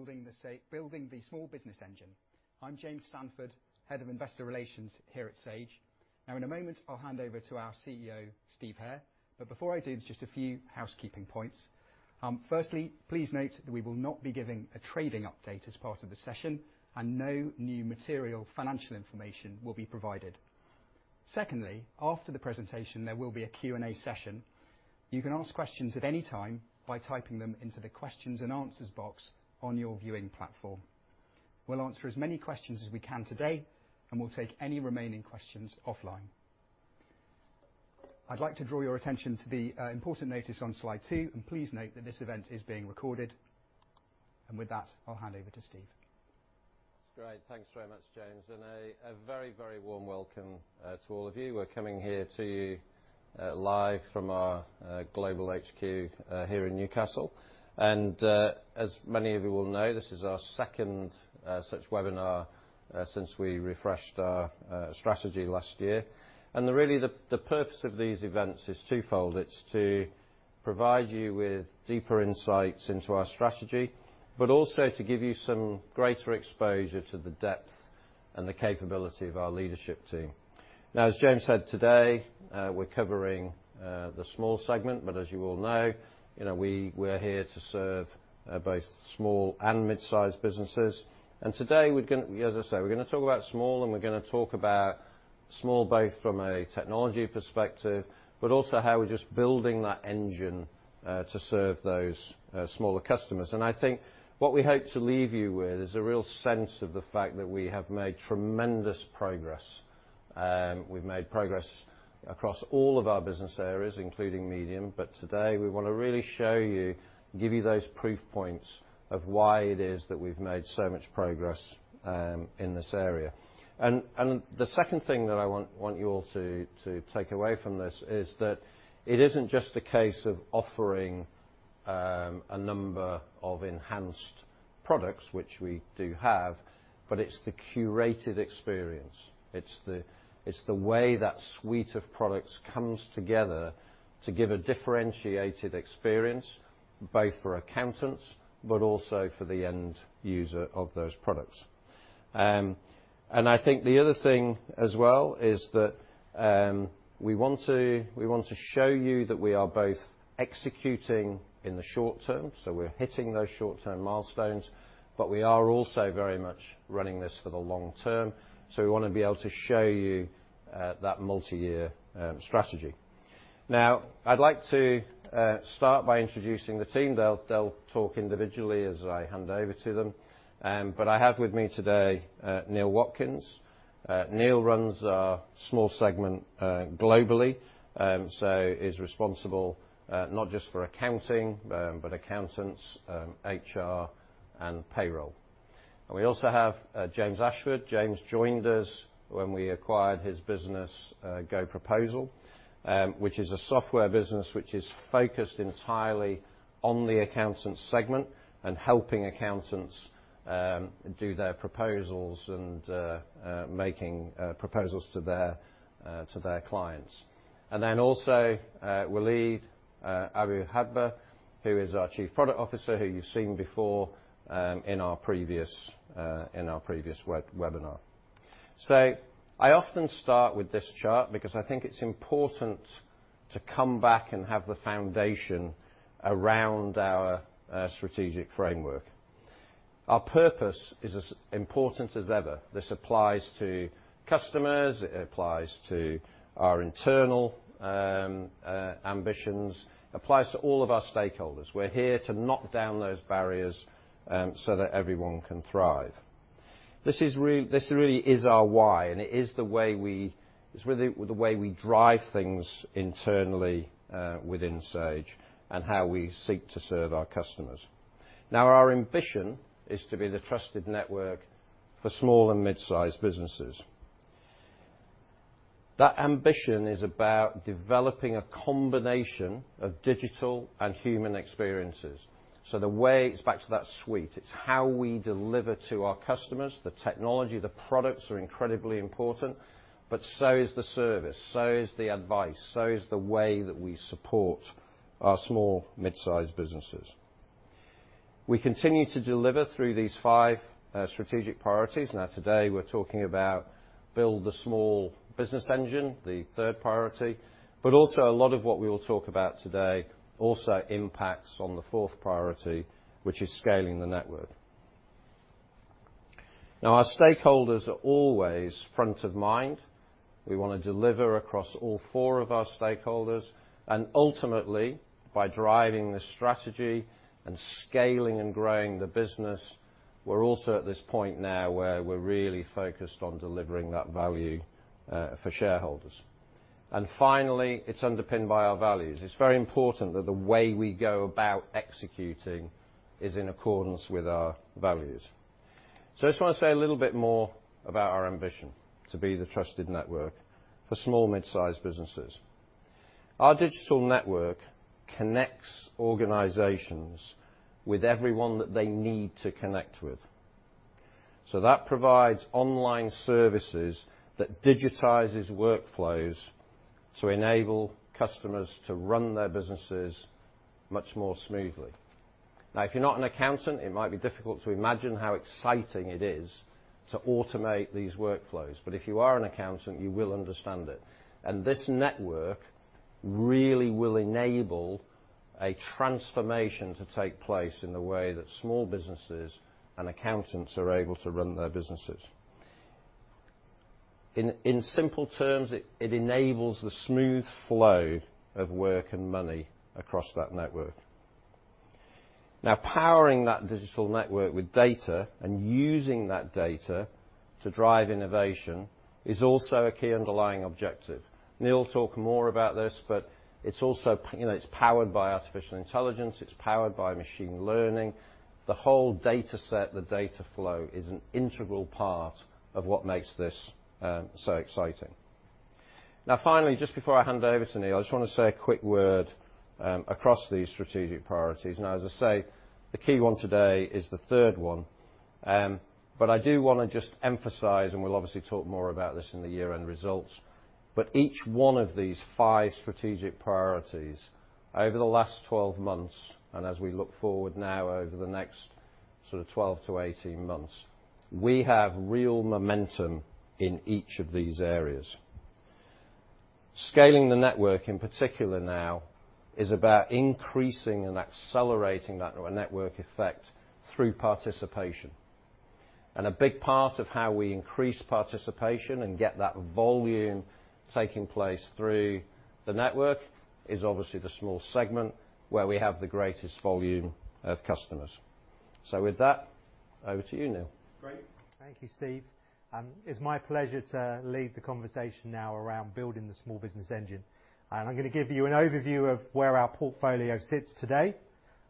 Good afternoon, welcome to our Webinar on building the small business engine. I'm James Sandford, Head of Investor Relations here at Sage. Now in a moment, I'll hand over to our CEO, Steve Hare. Before I do, just a few housekeeping points. Firstly, please note that we will not be giving a trading update as part of the session, and no new material financial information will be provided. Secondly, after the presentation, there will be a Q&A session. You can ask questions at any time by typing them into the questions and answers box on your viewing platform. We'll answer as many questions as we can today, and we'll take any remaining questions offline. I'd like to draw your attention to the important notice on slide two, and please note that this event is being recorded. With that, I'll hand over to Steve. That's great. Thanks very much, James. A very warm welcome to all of you. We're coming here to you live from our global HQ here in Newcastle. As many of you will know, this is our second such webinar since we refreshed our strategy last year. Really the purpose of these events is twofold. It's to provide you with deeper insights into our strategy, but also to give you some greater exposure to the depth and the capability of our leadership team. Now, as James said today, we're covering the small segment, but as you all know, you know, we're here to serve both small and mid-sized businesses. Today we're gonna talk about small, both from a technology perspective, but also how we're just building that engine to serve those smaller customers. I think what we hope to leave you with is a real sense of the fact that we have made tremendous progress. We've made progress across all of our business areas, including medium. Today, we wanna really show you, give you those proof points of why it is that we've made so much progress in this area. The second thing that I want you all to take away from this is that it isn't just a case of offering a number of enhanced products, which we do have, but it's the curated experience. It's the way that suite of products comes together to give a differentiated experience, both for accountants, but also for the end user of those products. I think the other thing as well is that we want to show you that we are both executing in the short term, so we're hitting those short-term milestones, but we are also very much running this for the long term. We wanna be able to show you that multi-year strategy. Now, I'd like to start by introducing the team. They'll talk individually as I hand over to them. I have with me today Neal Watkins. Neal runs our small segment globally, so is responsible not just for accounting, but accountants, HR, and payroll. We also have James Ashford. James joined us when we acquired his business, GoProposal, which is a software business which is focused entirely on the accountant segment and helping accountants do their proposals and making proposals to their clients. Then also, Walid Abu-Hadba, who is our Chief Product Officer, who you've seen before in our previous webinar. I often start with this chart because I think it's important to come back and have the foundation around our strategic framework. Our purpose is as important as ever. This applies to customers, it applies to our internal ambitions. It applies to all of our stakeholders. We're here to knock down those barriers, so that everyone can thrive. This really is our why, it's really the way we drive things internally, within Sage and how we seek to serve our customers. Our ambition is to be the trusted network for small and mid-size businesses. That ambition is about developing a combination of digital and human experiences. It's back to that suite. It's how we deliver to our customers. The technology, the products are incredibly important, but so is the service, so is the advice, so is the way that we support our small mid-size businesses. We continue to deliver through these five strategic priorities. Today, we're talking about build the small business engine, the third priority, but also a lot of what we will talk about today also impacts on the fourth priority, which is scaling the network. Now, our stakeholders are always front of mind. We wanna deliver across all four of our stakeholders. Ultimately, by driving the strategy and scaling and growing the business, we're also at this point now where we're really focused on delivering that value for shareholders. Finally, it's underpinned by our values. It's very important that the way we go about executing is in accordance with our values. I just wanna say a little bit more about our ambition to be the trusted network for small, mid-sized businesses. Our digital network connects organizations with everyone that they need to connect with. So that provides online services that digitizes workflows to enable customers to run their businesses much more smoothly. Now, if you're not an accountant, it might be difficult to imagine how exciting it is to automate these workflows. If you are an accountant, you will understand it. This network really will enable a transformation to take place in the way that small businesses and accountants are able to run their businesses. In simple terms, it enables the smooth flow of work and money across that network. Now, powering that digital network with data and using that data to drive innovation is also a key underlying objective. Neal will talk more about this, but it's also, you know, it's powered by artificial intelligence, it's powered by machine learning. The whole data set, the data flow is an integral part of what makes this so exciting. Now finally, just before I hand over to Neal, I just wanna say a quick word across these strategic priorities. Now, as I say, the key one today is the third one. I do wanna just emphasize, and we'll obviously talk more about this in the year-end results, but each one of these five strategic priorities over the last 12 months, and as we look forward now over the next sort of 12 to 18 months, we have real momentum in each of these areas. Scaling the network in particular now is about increasing and accelerating that network effect through participation. A big part of how we increase participation and get that volume taking place through the network is obviously the small segment where we have the greatest volume of customers. With that, over to you, Neal. Great. Thank you, Steve. It's my pleasure to lead the conversation now around building the small business engine. I'm gonna give you an overview of where our portfolio sits today.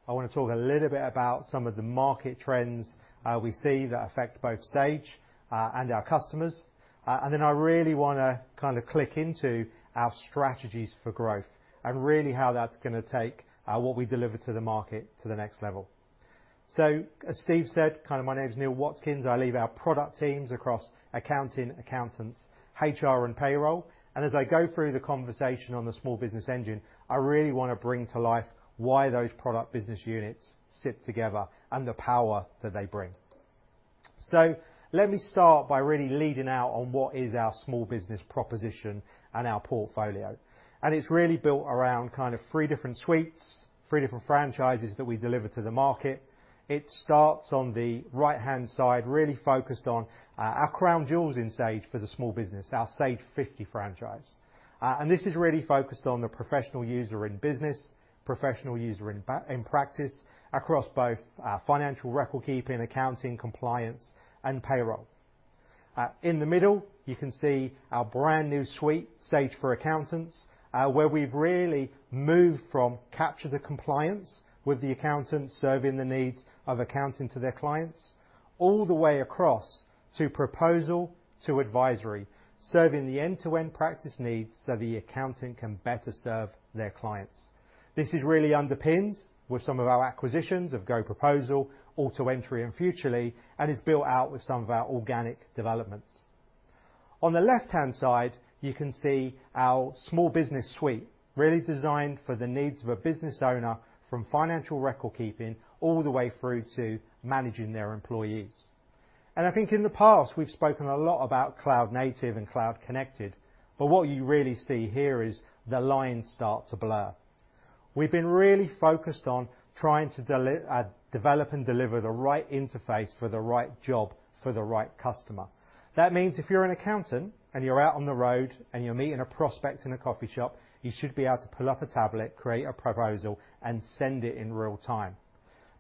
I wanna talk a little bit about some of the market trends we see that affect both Sage and our customers. I really wanna kinda click into our strategies for growth and really how that's gonna take what we deliver to the market to the next level. As Steve said, kinda my name's Neal Watkins. I lead our product teams across accounting, accountants, HR and payroll. As I go through the conversation on the small business engine, I really wanna bring to life why those product business units sit together and the power that they bring. Let me start by really leading out on what is our small business proposition and our portfolio. It's really built around kind of three different suites, three different franchises that we deliver to the market. It starts on the right-hand side, really focused on our crown jewels in Sage for the small business, our Sage 50 franchise. This is really focused on the professional user in business, professional user in practice across both financial record keeping, accounting, compliance, and payroll. In the middle, you can see our brand new suite, Sage for Accountants, where we've really moved from capture to compliance, with the accountants serving the accounting needs of their clients, all the way across to proposal to advisory, serving the end-to-end practice needs so the accountant can better serve their clients. This is really underpins with some of our acquisitions of GoProposal, AutoEntry and Futrli, and is built out with some of our organic developments. On the left-hand side, you can see our Small Business Suite, really designed for the needs of a business owner from financial record keeping all the way through to managing their employees. I think in the past, we've spoken a lot about cloud native and cloud connected, but what you really see here is the lines start to blur. We've been really focused on trying to develop and deliver the right interface for the right job for the right customer. That means if you're an accountant and you're out on the road and you're meeting a prospect in a coffee shop, you should be able to pull up a tablet, create a proposal, and send it in real time.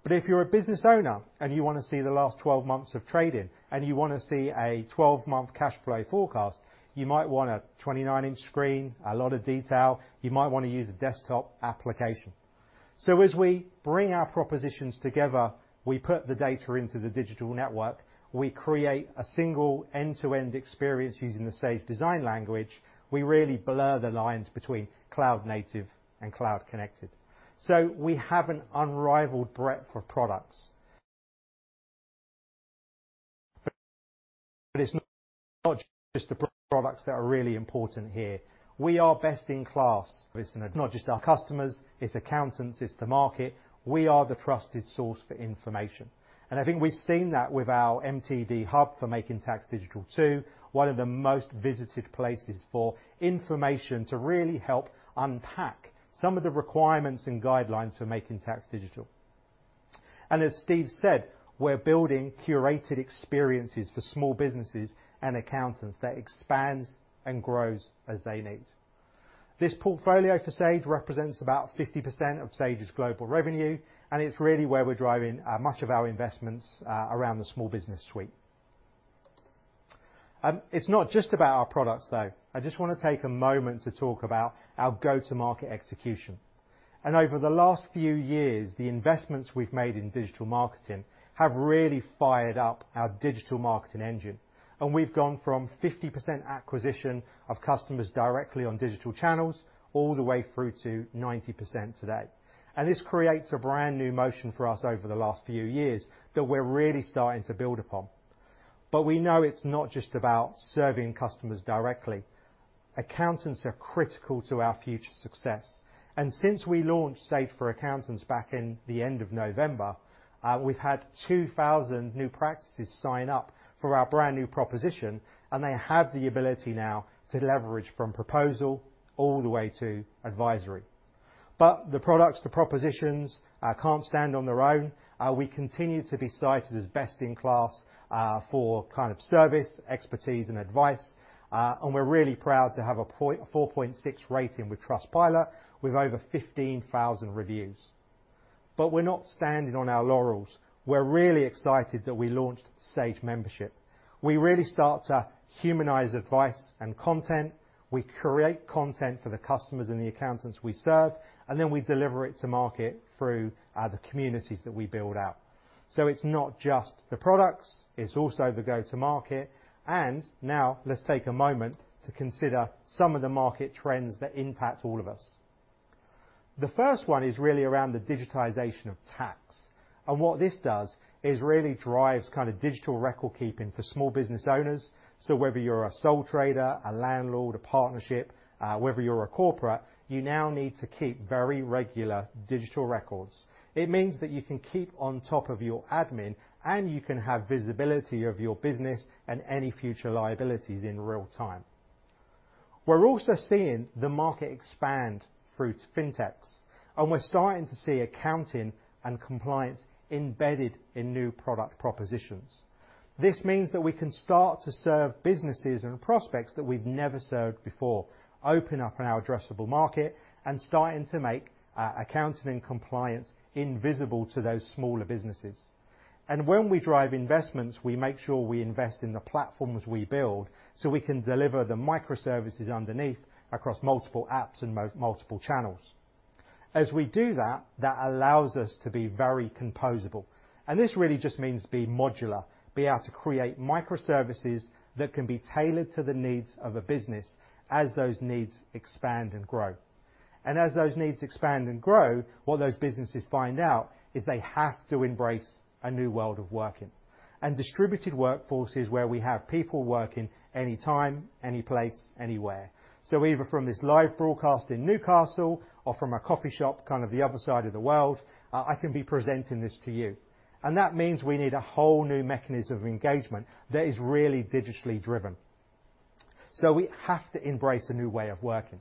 If you're a business owner and you wanna see the last 12 months of trading, and you wanna see a 12-month cash flow forecast, you might want a 29-inch screen, a lot of detail. You might wanna use a desktop application. As we bring our propositions together, we put the data into the digital network, we create a single end-to-end experience using the Sage design language, we really blur the lines between cloud native and cloud connected. We have an unrivaled breadth of products. It's not just the products that are really important here. We are best in class. It's not just our customers, it's accountants, it's the market. We are the trusted source for information. I think we've seen that with our MTD hub for Making Tax Digital too, one of the most visited places for information to really help unpack some of the requirements and guidelines for Making Tax Digital. As Steve said, we're building curated experiences for small businesses and accountants that expands and grows as they need. This portfolio for Sage represents about 50% of Sage's global revenue, and it's really where we're driving much of our investments around the Small Business Suite. It's not just about our products, though. I just wanna take a moment to talk about our go-to-market execution. Over the last few years, the investments we've made in digital marketing have really fired up our digital marketing engine. We've gone from 50% acquisition of customers directly on digital channels all the way through to 90% today. This creates a brand new momentum for us over the last few years that we're really starting to build upon. We know it's not just about serving customers directly. Accountants are critical to our future success. Since we launched Sage for Accountants back in the end of November, we've had 2,000 new practices sign up for our brand-new proposition, and they have the ability now to leverage from proposal all the way to advisory. The products, the propositions, can't stand on their own. We continue to be cited as best-in-class for kind of service, expertise, and advice, and we're really proud to have a 4.6 rating with Trustpilot with over 15,000 reviews. We're not standing on our laurels. We're really excited that we launched Sage Membership. We really start to humanize advice and content. We create content for the customers and the accountants we serve, and then we deliver it to market through the communities that we build out. It's not just the products, it's also the go-to-market. Now let's take a moment to consider some of the market trends that impact all of us. The first one is really around the digitization of tax, and what this does is really drives kinda digital record-keeping for small business owners. Whether you're a sole trader, a landlord, a partnership, whether you're a corporate, you now need to keep very regular digital records. It means that you can keep on top of your admin, and you can have visibility of your business and any future liabilities in real time. We're also seeing the market expand through to fintechs, and we're starting to see accounting and compliance embedded in new product propositions. This means that we can start to serve businesses and prospects that we've never served before, open up our addressable market, and starting to make accounting and compliance invisible to those smaller businesses. When we drive investments, we make sure we invest in the platforms we build, so we can deliver the microservices underneath across multiple apps and multiple channels. As we do that allows us to be very composable, and this really just means be modular, be able to create microservices that can be tailored to the needs of a business as those needs expand and grow. As those needs expand and grow, what those businesses find out is they have to embrace a new world of working. Distributed workforce is where we have people working anytime, any place, anywhere. Either from this live broadcast in Newcastle or from a coffee shop kind of the other side of the world, I can be presenting this to you. That means we need a whole new mechanism of engagement that is really digitally driven. We have to embrace a new way of working.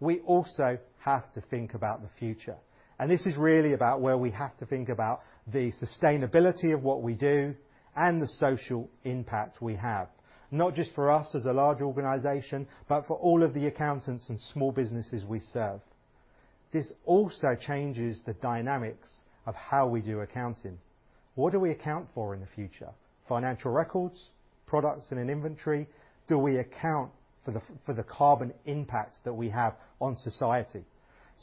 We also have to think about the future, and this is really about where we have to think about the sustainability of what we do and the social impact we have, not just for us as a large organization, but for all of the accountants and small businesses we serve. This also changes the dynamics of how we do accounting. What do we account for in the future? Financial records? Products in an inventory? Do we account for the carbon impact that we have on society?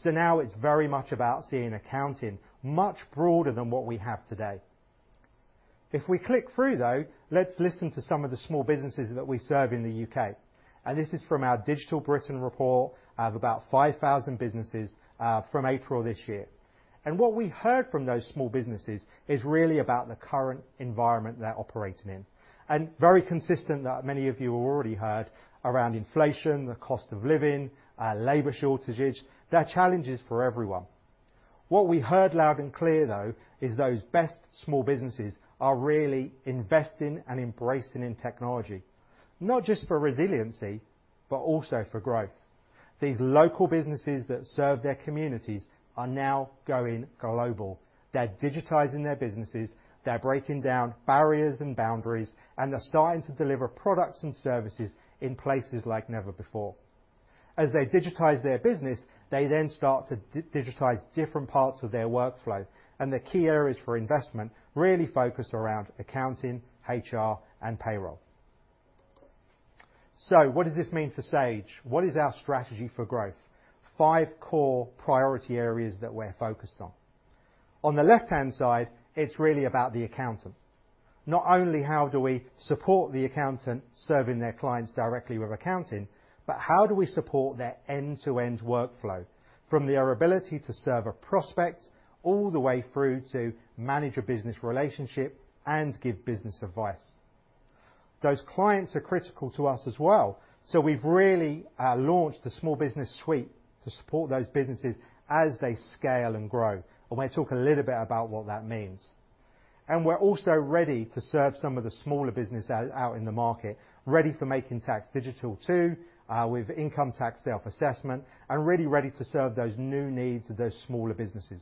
Now it's very much about seeing accounting much broader than what we have today. If we click through, though, let's listen to some of the small businesses that we serve in the U.K. This is from our Digital Britain report of about 5,000 businesses from April this year. What we heard from those small businesses is really about the current environment they're operating in, and very consistent that many of you already heard around inflation, the cost of living, labor shortages. There are challenges for everyone. What we heard loud and clear, though, is those best small businesses are really investing and embracing in technology, not just for resiliency, but also for growth. These local businesses that serve their communities are now going global. They're digitizing their businesses. They're breaking down barriers and boundaries, and they're starting to deliver products and services in places like never before. As they digitize their business, they then start to digitize different parts of their workflow, and the key areas for investment really focus around accounting, HR, and payroll. What does this mean for Sage? What is our strategy for growth? Five core priority areas that we're focused on. On the left-hand side, it's really about the accountant. Not only how do we support the accountant serving their clients directly with accounting, but how do we support their end-to-end workflow, from their ability to serve a prospect, all the way through to manage a business relationship and give business advice. Those clients are critical to us as well, so we've really launched a Small Business Suite to support those businesses as they scale and grow. I'm gonna talk a little bit about what that means. We're also ready to serve some of the smaller businesses out in the market, ready for Making Tax Digital, too, with Income Tax Self-Assessment, and really ready to serve those new needs of those smaller businesses.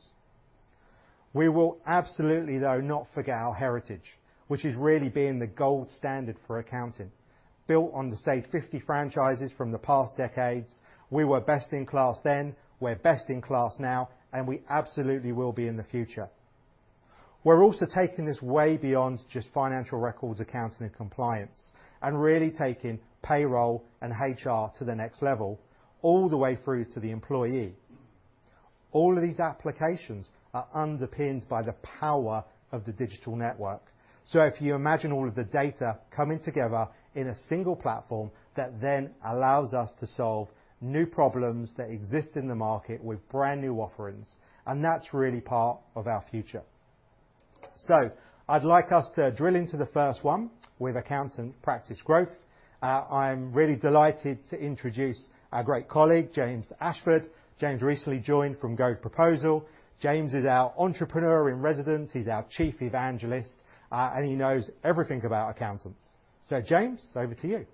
We will absolutely, though, not forget our heritage, which is really being the gold standard for accounting. Built on the Sage 50 franchises from the past decades, we were best in class then, we're best in class now, and we absolutely will be in the future. We're also taking this way beyond just financial records, accounting, and compliance, and really taking payroll and HR to the next level, all the way through to the employee. All of these applications are underpinned by the power of the digital network. If you imagine all of the data coming together in a single platform, that then allows us to solve new problems that exist in the market with brand-new offerings, and that's really part of our future. I'd like us to drill into the first one with accountant practice growth. I'm really delighted to introduce our great colleague, James Ashford. James recently joined from GoProposal. James is our entrepreneur in residence. He's our chief evangelist, and he knows everything about accountants. James, over to you.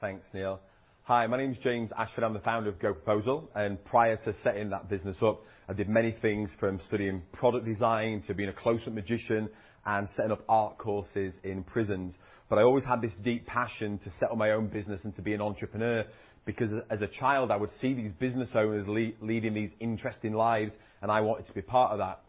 Thanks, Neal. Hi, my name is James Ashford. I'm the founder of GoProposal, and prior to setting that business up, I did many things from studying product design to being a close-up magician and setting up art courses in prisons. I always had this deep passion to set up my own business and to be an entrepreneur, because as a child, I would see these business owners lead, leading these interesting lives, and I wanted to be part of that.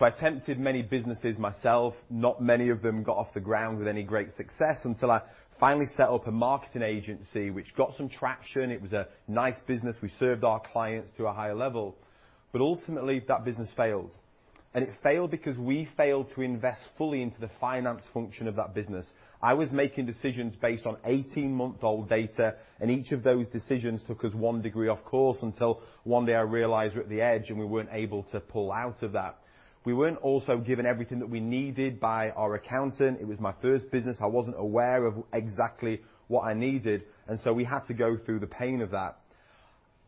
I attempted many businesses myself. Not many of them got off the ground with any great success until I finally set up a marketing agency which got some traction. It was a nice business. We served our clients to a high level. Ultimately, that business failed. It failed because we failed to invest fully into the finance function of that business. I was making decisions based on 18-month-old data, and each of those decisions took us one degree off course until one day I realized we're at the edge, and we weren't able to pull out of that. We weren't also given everything that we needed by our accountant. It was my first business. I wasn't aware of exactly what I needed, and so we had to go through the pain of that.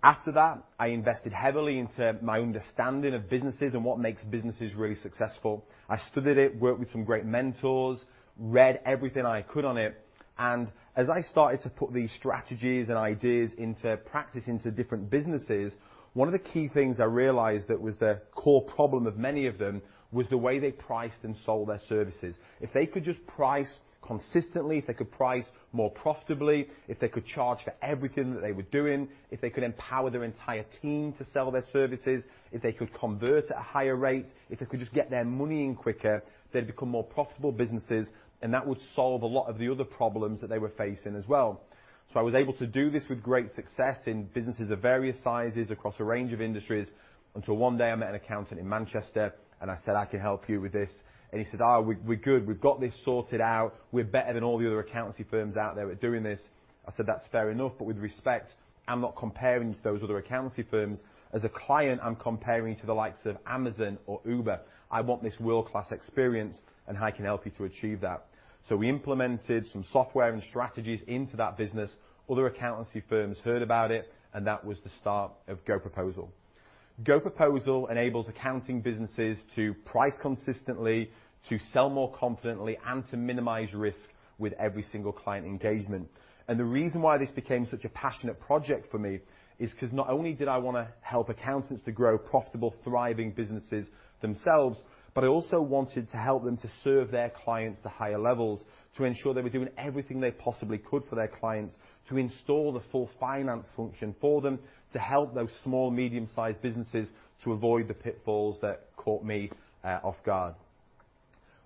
After that, I invested heavily into my understanding of businesses and what makes businesses really successful. I studied it, worked with some great mentors, read everything I could on it, and as I started to put these strategies and ideas into practice into different businesses, one of the key things I realized that was the core problem of many of them was the way they priced and sold their services. If they could just price consistently, if they could price more profitably, if they could charge for everything that they were doing, if they could empower their entire team to sell their services, if they could convert at a higher rate, if they could just get their money in quicker, they'd become more profitable businesses, and that would solve a lot of the other problems that they were facing as well. I was able to do this with great success in businesses of various sizes across a range of industries, until one day I met an accountant in Manchester, and I said, "I can help you with this." He said, "We're good. We've got this sorted out. We're better than all the other accountancy firms out there at doing this." I said, "That's fair enough, but with respect, I'm not comparing to those other accountancy firms. As a client, I'm comparing to the likes of Amazon or Uber. I want this world-class experience, and I can help you to achieve that." We implemented some software and strategies into that business. Other accountancy firms heard about it, and that was the start of GoProposal. GoProposal enables accounting businesses to price consistently, to sell more confidently, and to minimize risk with every single client engagement. The reason why this became such a passionate project for me is 'cause not only did I wanna help accountants to grow profitable, thriving businesses themselves, but I also wanted to help them to serve their clients to higher levels, to ensure they were doing everything they possibly could for their clients, to install the full finance function for them, to help those small, medium-sized businesses to avoid the pitfalls that caught me off guard.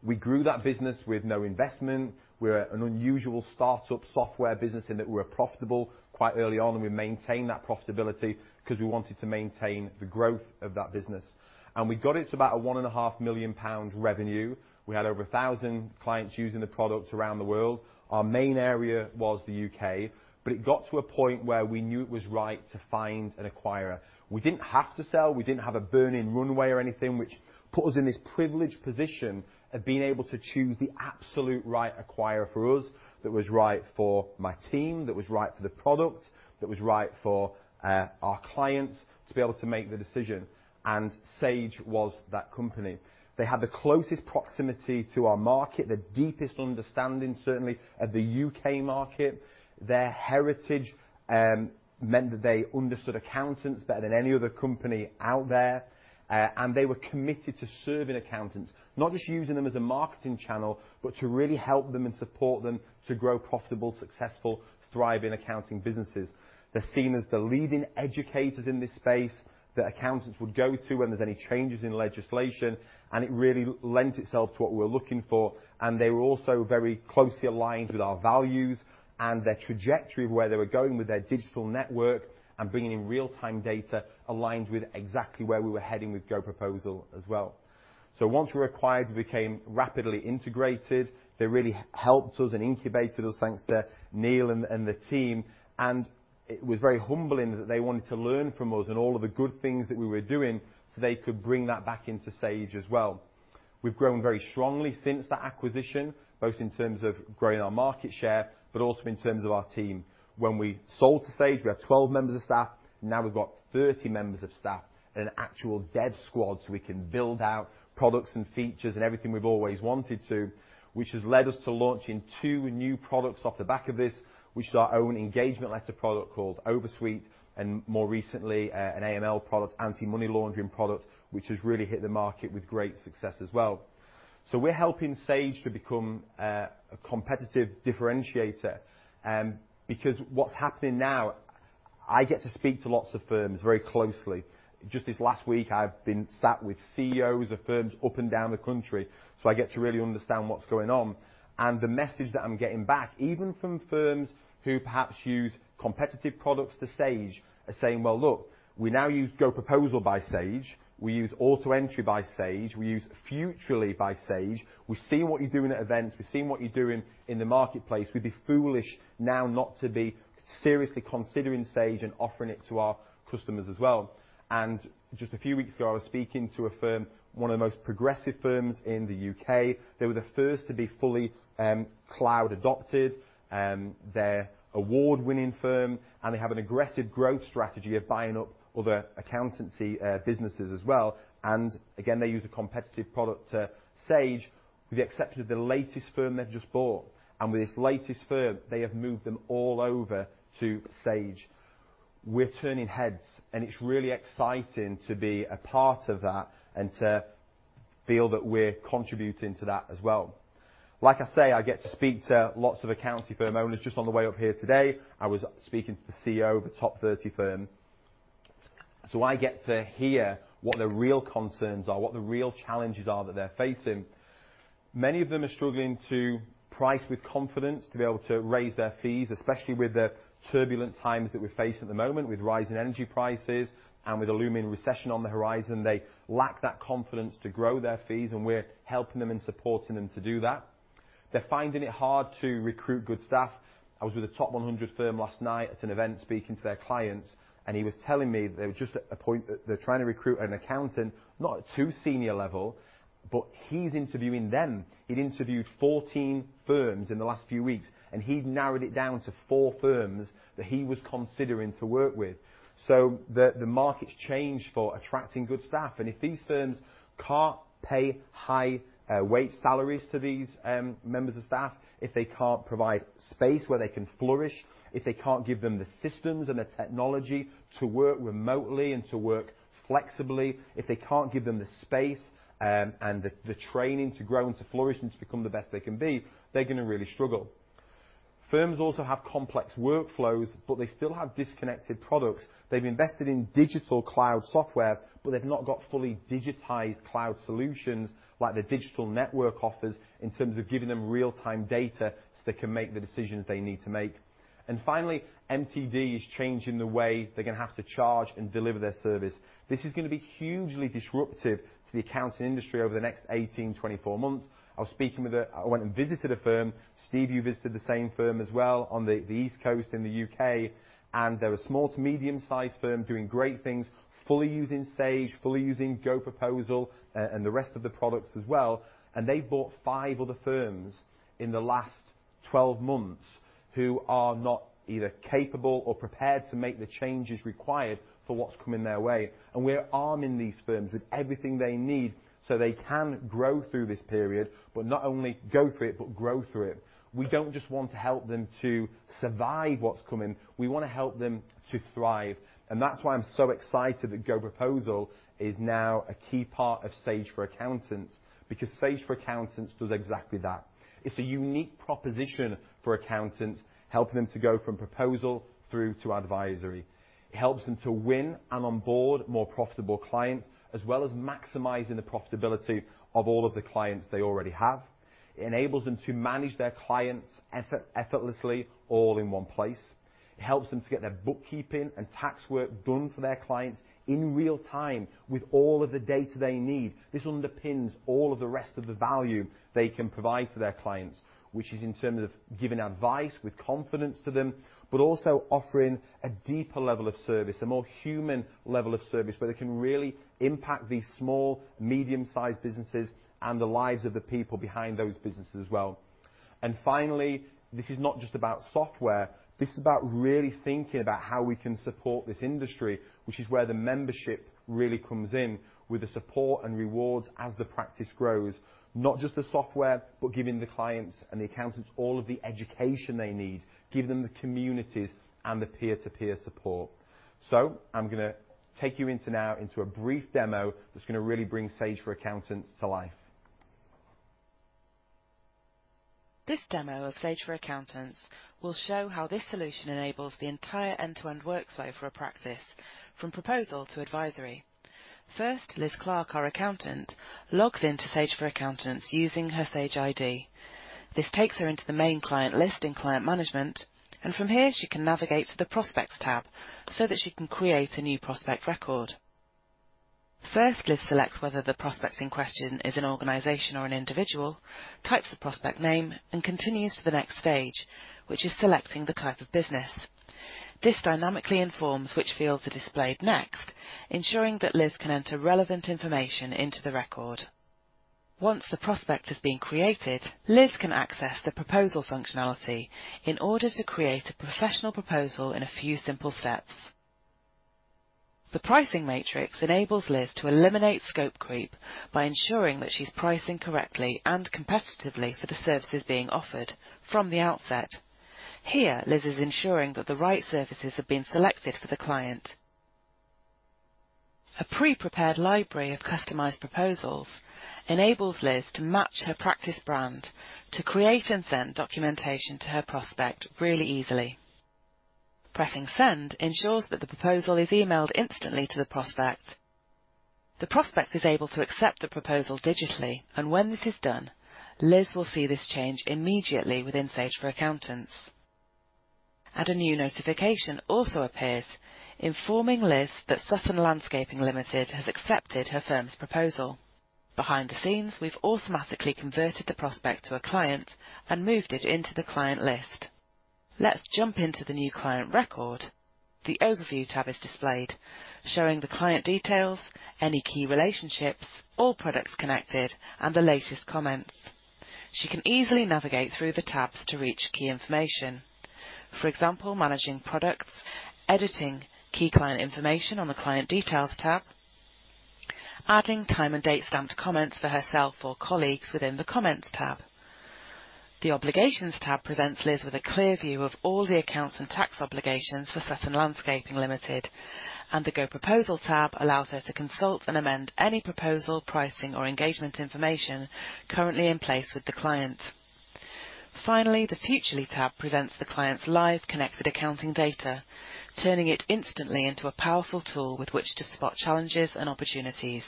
We grew that business with no investment. We're an unusual start-up software business in that we were profitable quite early on, and we maintained that profitability 'cause we wanted to maintain the growth of that business. We got it to about a 1.5 million pound revenue. We had over 1,000 clients using the product around the world. Our main area was the U.K., but it got to a point where we knew it was right to find an acquirer. We didn't have to sell. We didn't have a burning runway or anything, which put us in this privileged position of being able to choose the absolute right acquirer for us, that was right for my team, that was right for the product, that was right for our clients to be able to make the decision. Sage was that company. They had the closest proximity to our market, the deepest understanding, certainly, of the U.K. market. Their heritage meant that they understood accountants better than any other company out there, and they were committed to serving accountants. Not just using them as a marketing channel, but to really help them and support them to grow profitable, successful, thriving accounting businesses. They're seen as the leading educators in this space that accountants would go to when there's any changes in legislation, and it really lent itself to what we were looking for. They were also very closely aligned with our values, and their trajectory of where they were going with their digital network and bringing in real-time data aligned with exactly where we were heading with GoProposal as well. Once we were acquired, we became rapidly integrated. They really helped us and incubated us, thanks to Neal and the team. It was very humbling that they wanted to learn from us and all of the good things that we were doing, so they could bring that back into Sage as well. We've grown very strongly since that acquisition, both in terms of growing our market share, but also in terms of our team. When we sold to Sage, we had 12 members of staff. Now we've got 30 members of staff and an actual dev squad, so we can build out products and features and everything we've always wanted to, which has led us to launching two new products off the back of this, which is our own engagement letter product called OverSuite, and more recently, an AML product, anti-money laundering product, which has really hit the market with great success as well. We're helping Sage to become a competitive differentiator, because what's happening now, I get to speak to lots of firms very closely. Just this last week, I've been sat with CEOs of firms up and down the country, so I get to really understand what's going on. The message that I'm getting back, even from firms who perhaps use competitive products to Sage, are saying, "Well, look, we now use GoProposal by Sage. We use AutoEntry by Sage. We use Futrli by Sage. We've seen what you're doing at events. We've seen what you're doing in the marketplace. We'd be foolish now not to be seriously considering Sage and offering it to our customers as well." Just a few weeks ago, I was speaking to a firm, one of the most progressive firms in the U.K. They were the first to be fully cloud adopted. They're award-winning firm, and they have an aggressive growth strategy of buying up other accountancy, businesses as well. Again, they use a competitive product to Sage with the exception of the latest firm they've just bought. With this latest firm, they have moved them all over to Sage. We're turning heads, and it's really exciting to be a part of that and to feel that we're contributing to that as well. Like I say, I get to speak to lots of accountancy firm owners. Just on the way up here today, I was speaking to the CEO of a top 30 firm. I get to hear what their real concerns are, what the real challenges are that they're facing. Many of them are struggling to price with confidence to be able to raise their fees, especially with the turbulent times that we face at the moment, with rising energy prices and with a looming recession on the horizon. They lack that confidence to grow their fees, and we're helping them and supporting them to do that. They're finding it hard to recruit good staff. I was with a top 100 firm last night at an event speaking to their clients, and he was telling me they were just at a point that they're trying to recruit an accountant, not too senior level, but he's interviewing them. He'd interviewed 14 firms in the last few weeks, and he'd narrowed it down to four firms that he was considering to work with. The market's changed for attracting good staff. If these firms can't pay high wage salaries to these members of staff, if they can't provide space where they can flourish, if they can't give them the systems and the technology to work remotely and to work flexibly, if they can't give them the space and the training to grow and to flourish and to become the best they can be, they're gonna really struggle. Firms also have complex workflows, but they still have disconnected products. They've invested in digital cloud software, but they've not got fully digitized cloud solutions like the digital network offers in terms of giving them real-time data so they can make the decisions they need to make. Finally, MTD is changing the way they're gonna have to charge and deliver their service. This is gonna be hugely disruptive to the accounting industry over the next 18-24 months. I went and visited a firm. Steve, you visited the same firm as well on the east coast in the U.K., and they're a small to medium-sized firm doing great things, fully using Sage, fully using GoProposal and the rest of the products as well, and they bought five other firms in the last 12 months who are not either capable or prepared to make the changes required for what's coming their way. We're arming these firms with everything they need, so they can grow through this period, but not only go through it but grow through it. We don't just want to help them to survive what's coming. We wanna help them to thrive. That's why I'm so excited that GoProposal is now a key part of Sage for Accountants, because Sage for Accountants does exactly that. It's a unique proposition for accountants, helping them to go from proposal through to advisory. It helps them to win and onboard more profitable clients, as well as maximizing the profitability of all of the clients they already have. It enables them to manage their clients effortlessly all in one place. It helps them to get their bookkeeping and tax work done for their clients in real time with all of the data they need. This underpins all of the rest of the value they can provide to their clients, which is in terms of giving advice with confidence to them, but also offering a deeper level of service, a more human level of service, where they can really impact these small, medium-sized businesses and the lives of the people behind those businesses as well. Finally, this is not just about software. This is about really thinking about how we can support this industry, which is where the membership really comes in with the support and rewards as the practice grows. Not just the software, but giving the clients and the accountants all of the education they need, giving them the communities and the peer-to-peer support. I'm gonna take you now into a brief demo that's gonna really bring Sage for Accountants to life. This demo of Sage for Accountants will show how this solution enables the entire end-to-end workflow for a practice from proposal to advisory. First, Liz Clark, our accountant, logs in to Sage for Accountants using her Sage ID. This takes her into the main client list in Client Management, and from here, she can navigate to the Prospects tab so that she can create a new prospect record. First, Liz selects whether the prospects in question is an organization or an individual, types the prospect name, and continues to the next stage, which is selecting the type of business. This dynamically informs which fields are displayed next, ensuring that Liz can enter relevant information into the record. Once the prospect has been created, Liz can access the proposal functionality in order to create a professional proposal in a few simple steps. The pricing matrix enables Liz to eliminate scope creep by ensuring that she's pricing correctly and competitively for the services being offered from the outset. Here, Liz is ensuring that the right services have been selected for the client. A pre-prepared library of customized proposals enables Liz to match her practice brand to create and send documentation to her prospect really easily. Pressing Send ensures that the proposal is emailed instantly to the prospect. The prospect is able to accept the proposal digitally, and when this is done, Liz will see this change immediately within Sage for Accountants. A new notification also appears informing Liz that Sutton Landscaping Limited has accepted her firm's proposal. Behind the scenes, we've automatically converted the prospect to a client and moved it into the client list. Let's jump into the new client record. The Overview tab is displayed, showing the client details, any key relationships, all products connected, and the latest comments. She can easily navigate through the tabs to reach key information. For example, managing products, editing key client information on the Client Details tab, adding time and date-stamped comments for herself or colleagues within the Comments tab. The Obligations tab presents Liz with a clear view of all the accounts and tax obligations for Sutton Landscaping Limited, and the GoProposal tab allows her to consult and amend any proposal, pricing, or engagement information currently in place with the client. Finally, the Futrli tab presents the client's live connected accounting data, turning it instantly into a powerful tool with which to spot challenges and opportunities.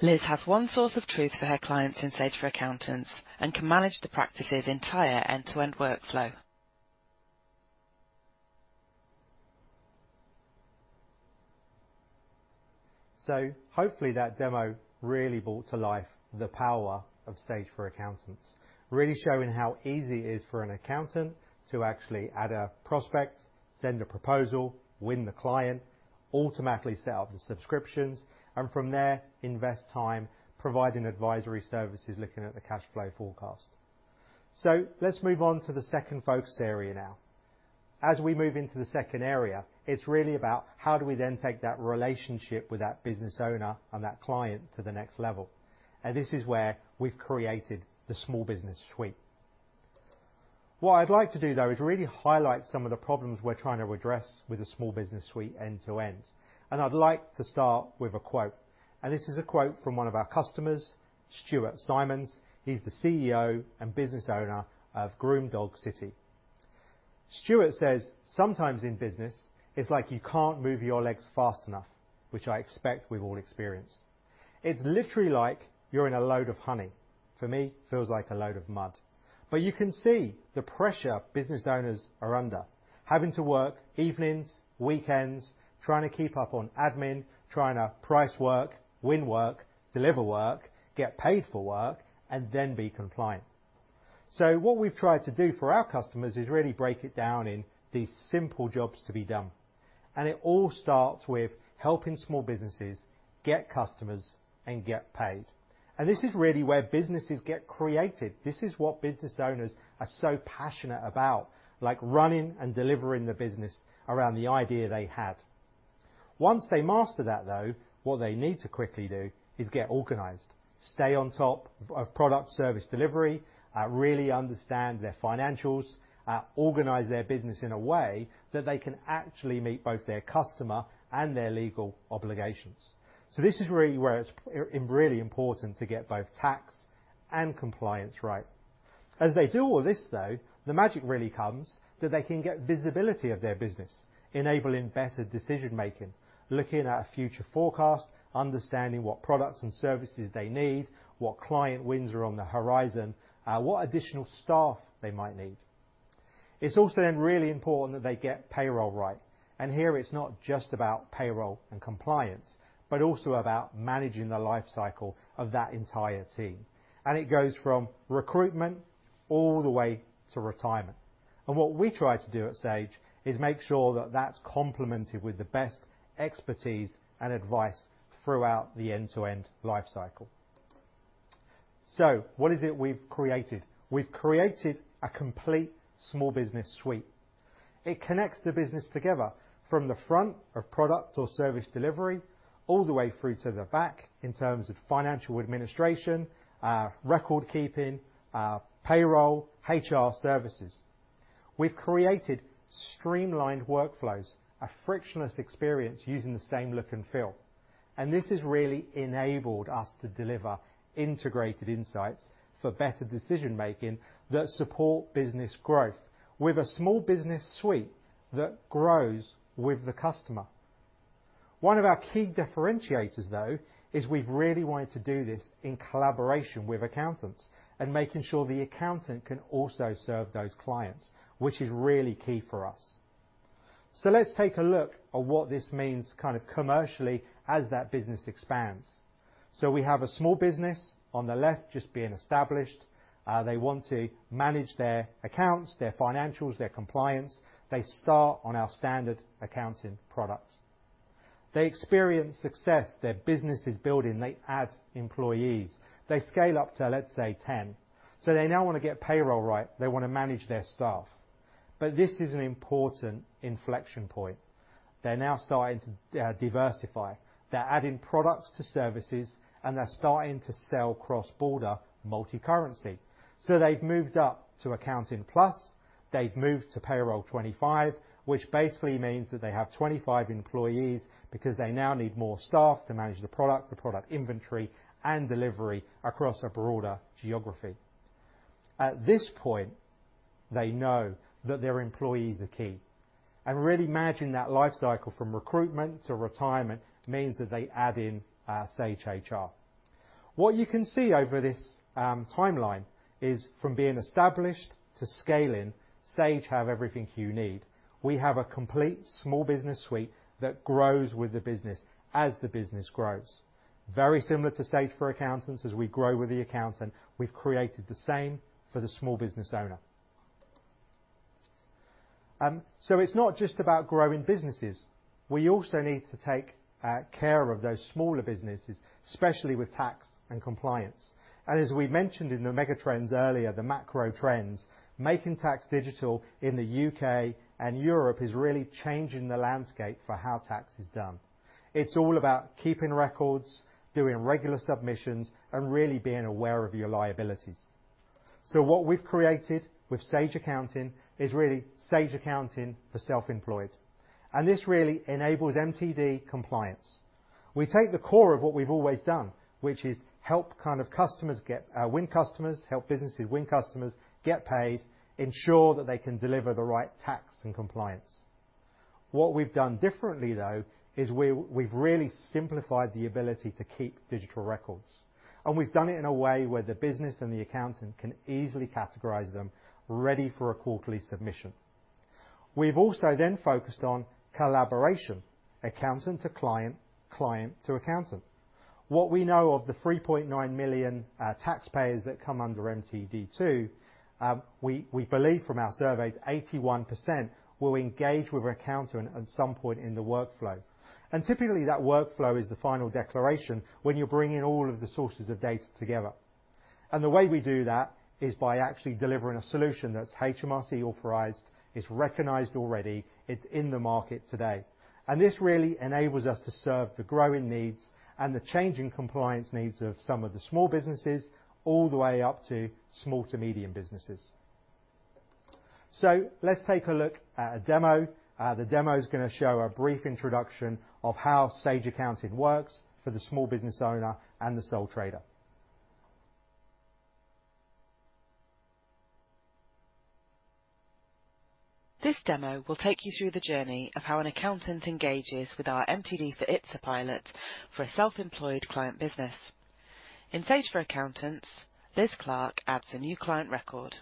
Liz has one source of truth for her clients in Sage for Accountants and can manage the practice's entire end-to-end workflow. Hopefully that demo really brought to life the power of Sage for Accountants, really showing how easy it is for an accountant to actually add a prospect, send a proposal, win the client, automatically set up the subscriptions, and from there, invest time providing advisory services, looking at the cash flow forecast. Let's move on to the second focus area now. As we move into the second area, it's really about how do we then take that relationship with that business owner and that client to the next level? This is where we've created the Small Business Suite. What I'd like to do, though, is really highlight some of the problems we're trying to address with the Small Business Suite end-to-end. I'd like to start with a quote, and this is a quote from one of our customers, Stuart Simons. He's the CEO and business owner of Groom Dog City. Stuart says, "Sometimes in business it's like you can't move your legs fast enough," which I expect we've all experienced. "It's literally like you're in a load of honey." For me, it feels like a load of mud. You can see the pressure business owners are under, having to work evenings, weekends, trying to keep up on admin, trying to price work, win work, deliver work, get paid for work, and then be compliant. What we've tried to do for our customers is really break it down in these simple jobs to be done. It all starts with helping small businesses get customers and get paid. This is really where businesses get created. This is what business owners are so passionate about, like running and delivering the business around the idea they had. Once they master that, though, what they need to quickly do is get organized, stay on top of product service delivery, really understand their financials, organize their business in a way that they can actually meet both their customer and their legal obligations. This is really where it's really important to get both tax and compliance right. As they do all this, though, the magic really comes that they can get visibility of their business, enabling better decision-making, looking at a future forecast, understanding what products and services they need, what client wins are on the horizon, what additional staff they might need. It's also then really important that they get payroll right, and here it's not just about payroll and compliance, but also about managing the life cycle of that entire team. It goes from recruitment all the way to retirement. What we try to do at Sage is make sure that that's complemented with the best expertise and advice throughout the end-to-end life cycle. What is it we've created? We've created a complete Small Business Suite. It connects the business together from the front of product or service delivery, all the way through to the back in terms of financial administration, record keeping, payroll, HR services. We've created streamlined workflows, a frictionless experience using the same look and feel, and this has really enabled us to deliver integrated insights for better decision-making that support business growth with a Small Business Suite that grows with the customer. One of our key differentiators, though, is we've really wanted to do this in collaboration with accountants and making sure the accountant can also serve those clients, which is really key for us. Let's take a look at what this means kind of commercially as that business expands. We have a small business on the left just being established. They want to manage their accounts, their financials, their compliance. They start on our standard accounting product. They experience success. Their business is building. They add employees. They scale up to, let's say, 10. They now wanna get payroll right. They wanna manage their staff. But this is an important inflection point. They're now starting to diversify. They're adding products to services, and they're starting to sell cross-border multi-currency. They've moved up to Accounting Plus. They've moved to Payroll 25, which basically means that they have 25 employees because they now need more staff to manage the product, the product inventory, and delivery across a broader geography. At this point, they know that their employees are key, and really managing that life cycle from recruitment to retirement means that they add in Sage HR. What you can see over this timeline is from being established to scaling, Sage have everything you need. We have a complete Small Business Suite that grows with the business as the business grows. Very similar to Sage for Accountants, as we grow with the accountant, we've created the same for the small business owner. It's not just about growing businesses. We also need to take care of those smaller businesses, especially with tax and compliance. As we mentioned in the mega trends earlier, the macro trends, Making Tax Digital in the U.K. and Europe is really changing the landscape for how tax is done. It's all about keeping records, doing regular submissions, and really being aware of your liabilities. What we've created with Sage Accounting is really Sage Accounting for self-employed, and this really enables MTD compliance. We take the core of what we've always done, which is help businesses win customers, get paid, ensure that they can deliver the right tax and compliance. What we've done differently, though, is we've really simplified the ability to keep digital records, and we've done it in a way where the business and the accountant can easily categorize them, ready for a quarterly submission. We've also focused on collaboration, accountant to client to accountant. What we know of the 3.9 million taxpayers that come under MTD for ITSA, we believe from our surveys, 81% will engage with accountant at some point in the workflow, and typically that workflow is the final declaration when you're bringing all of the sources of data together. The way we do that is by actually delivering a solution that's HMRC authorized. It's recognized already. It's in the market today. This really enables us to serve the growing needs and the changing compliance needs of some of the small businesses all the way up to small to medium businesses. Let's take a look at a demo. The demo is gonna show a brief introduction of how Sage Accounting works for the small business owner and the sole trader. This demo will take you through the journey of how an accountant engages with our MTD for ITSA pilot for a self-employed client business. In Sage for Accountants, Liz Clark adds a new client record.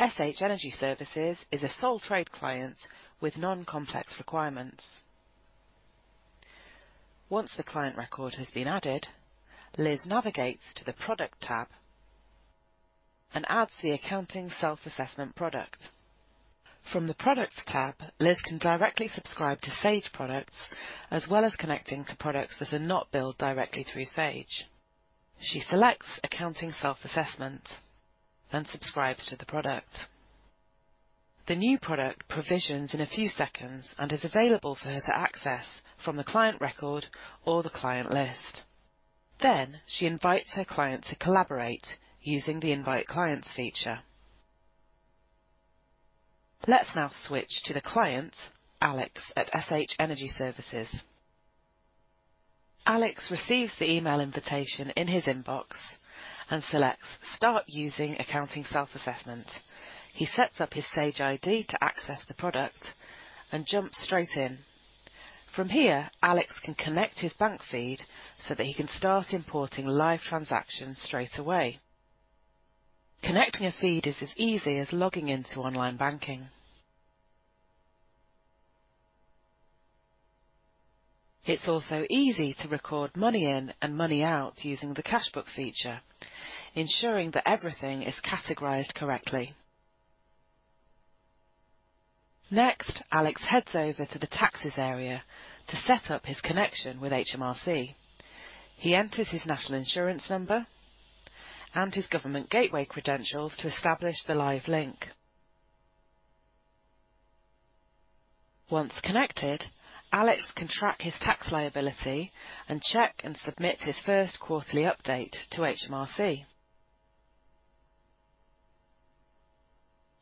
SH Energy Services is a sole trader client with non-complex requirements. Once the client record has been added, Liz navigates to the product tab and adds the Accounting Self-Assessment product. From the products tab, Liz can directly subscribe to Sage products as well as connecting to products that are not billed directly through Sage. She selects Accounting Self-Assessment, then subscribes to the product. The new product provisions in a few seconds and is available for her to access from the client record or the client list. She invites her client to collaborate using the Invite Client feature. Let's now switch to the client, Alex at SH Energy Services. Alex receives the email invitation in his inbox and selects Start Using Accounting Self-Assessment. He sets up his Sage ID to access the product and jumps straight in. From here, Alex can connect his bank feed so that he can start importing live transactions straight away. Connecting a feed is as easy as logging into online banking. It's also easy to record money in and money out using the cash book feature, ensuring that everything is categorized correctly. Next, Alex heads over to the taxes area to set up his connection with HMRC. He enters his National Insurance number and his Government Gateway credentials to establish the live link. Once connected, Alex can track his tax liability and check and submit his first quarterly update to HMRC.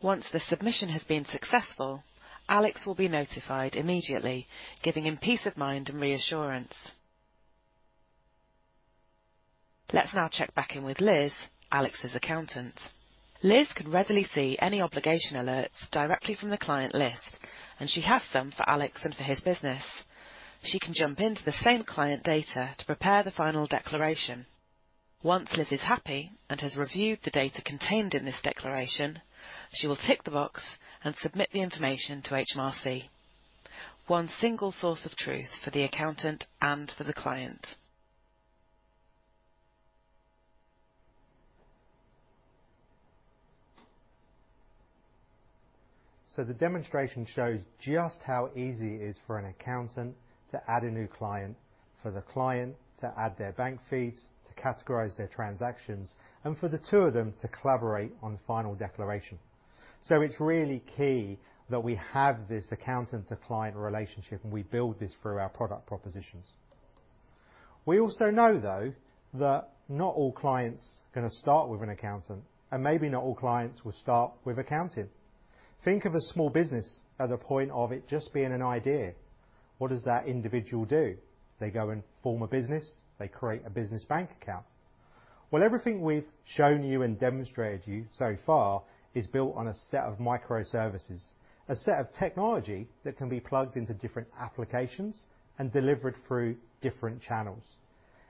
Once the submission has been successful, Alex will be notified immediately, giving him peace of mind and reassurance. Let's now check back in with Liz, Alex's accountant. Liz can readily see any obligation alerts directly from the client list, and she has some for Alex and for his business. She can jump into the same client data to prepare the final declaration. Once Liz is happy and has reviewed the data contained in this declaration, she will tick the box and submit the information to HMRC. One single source of truth for the accountant and for the client. The demonstration shows just how easy it is for an accountant to add a new client, for the client to add their bank feeds, to categorize their transactions, and for the two of them to collaborate on the final declaration. It's really key that we have this accountant-to-client relationship, and we build this through our product propositions. We also know, though, that not all clients are gonna start with an accountant, and maybe not all clients will start with accounting. Think of a small business at the point of it just being an idea. What does that individual do? They go and form a business. They create a business bank account. Well, everything we've shown you and demonstrated you so far is built on a set of microservices, a set of technology that can be plugged into different applications and delivered through different channels.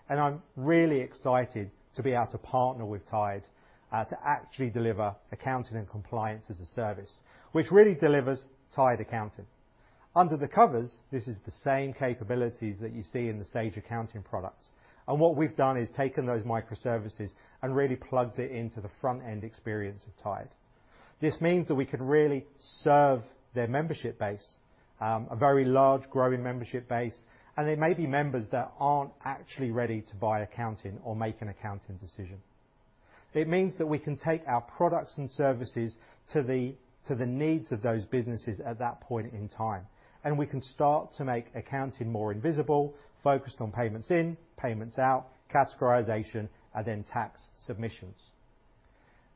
I'm really excited to be able to partner with Tide, to actually deliver accounting and compliance as a service which really delivers Tide Accounting. Under the covers, this is the same capabilities that you see in the Sage Accounting products. What we've done is taken those microservices and really plugged it into the front-end experience of Tide. This means that we can really serve their membership base, a very large growing membership base, and there may be members that aren't actually ready to buy accounting or make an accounting decision. It means that we can take our products and services to the needs of those businesses at that point in time, and we can start to make accounting more invisible, focused on payments in, payments out, categorization, and then tax submissions.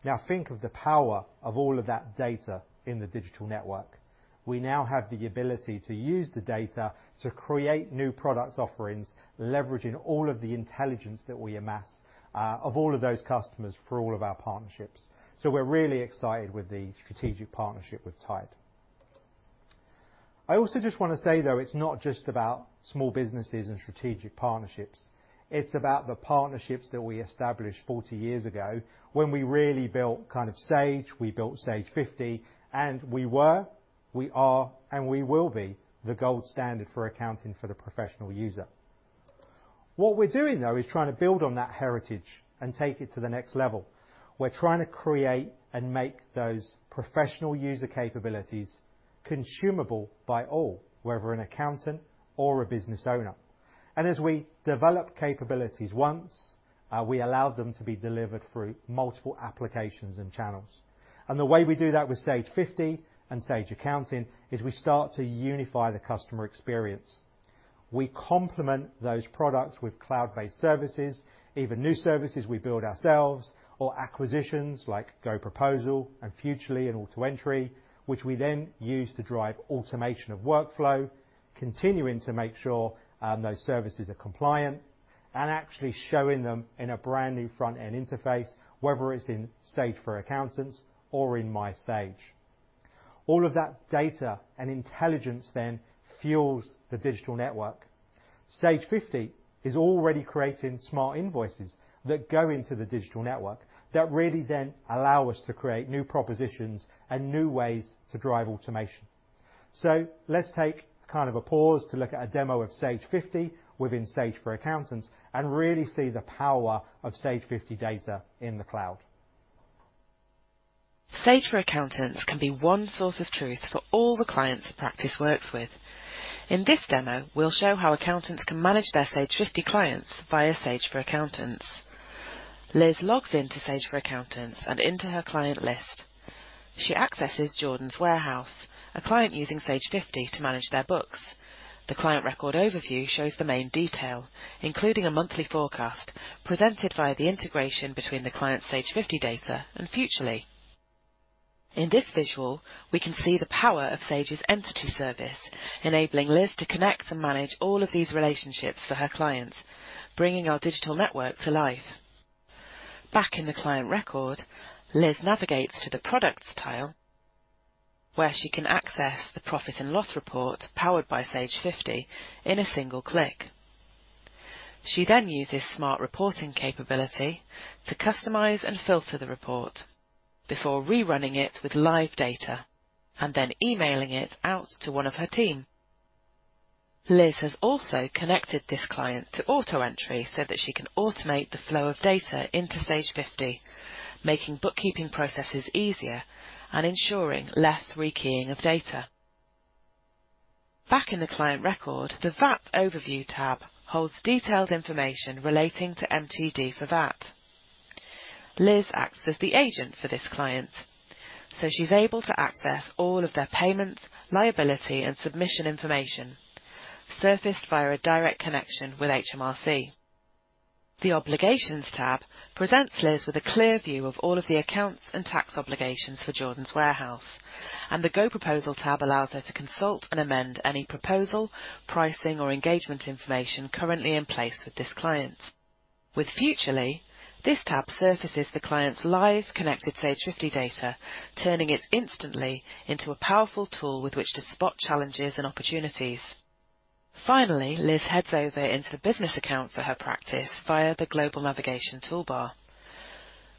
Now, think of the power of all of that data in the digital network. We now have the ability to use the data to create new product offerings, leveraging all of the intelligence that we amass of all of those customers for all of our partnerships. We're really excited with the strategic partnership with Tide. I also just wanna say, though, it's not just about small businesses and strategic partnerships. It's about the partnerships that we established 40 years ago when we really built kind of Sage, we built Sage 50, and we were, we are, and we will be the gold standard for accounting for the professional user. What we're doing, though, is trying to build on that heritage and take it to the next level. We're trying to create and make those professional user capabilities consumable by all, whether an accountant or a business owner. As we develop capabilities once, we allow them to be delivered through multiple applications and channels. The way we do that with Sage 50 and Sage Accounting is we start to unify the customer experience. We complement those products with cloud-based services, even new services we build ourselves, or acquisitions like GoProposal and Futrli and AutoEntry, which we then use to drive automation of workflow, continuing to make sure those services are compliant and actually showing them in a brand-new front-end interface, whether it's in Sage for Accountants or in My Sage. All of that data and intelligence then fuels the digital network. Sage 50 is already creating smart invoices that go into the digital network that really then allow us to create new propositions and new ways to drive automation. Let's take kind of a pause to look at a demo of Sage 50 within Sage for Accountants and really see the power of Sage 50 data in the cloud. Sage for Accountants can be one source of truth for all the clients the practice works with. In this demo, we'll show how accountants can manage their Sage 50 clients via Sage for Accountants. Liz logs into Sage for Accountants and into her client list. She accesses Jordan's Warehouse, a client using Sage 50 to manage their books. The client record overview shows the main detail, including a monthly forecast, presented via the integration between the client's Sage 50 data and Futrli. In this visual, we can see the power of Sage's entity service, enabling Liz to connect and manage all of these relationships for her clients, bringing our digital network to life. Back in the client record, Liz navigates to the Products tile, where she can access the profit and loss report powered by Sage 50 in a single click. She then uses Smart Reporting capability to customize and filter the report before rerunning it with live data and then emailing it out to one of her team. Liz has also connected this client to AutoEntry so that she can automate the flow of data into Sage 50, making bookkeeping processes easier and ensuring less rekeying of data. Back in the client record, the VAT overview tab holds detailed information relating to MTD for that. Liz acts as the agent for this client, so she's able to access all of their payments, liability, and submission information surfaced via a direct connection with HMRC. The Obligations tab presents Liz with a clear view of all of the accounts and tax obligations for Jordan's Warehouse. The GoProposal tab allows her to consult and amend any proposal, pricing, or engagement information currently in place with this client. With Futrli, this tab surfaces the client's live, connected Sage 50 data, turning it instantly into a powerful tool with which to spot challenges and opportunities. Finally, Liz heads over into the business account for her practice via the global navigation toolbar,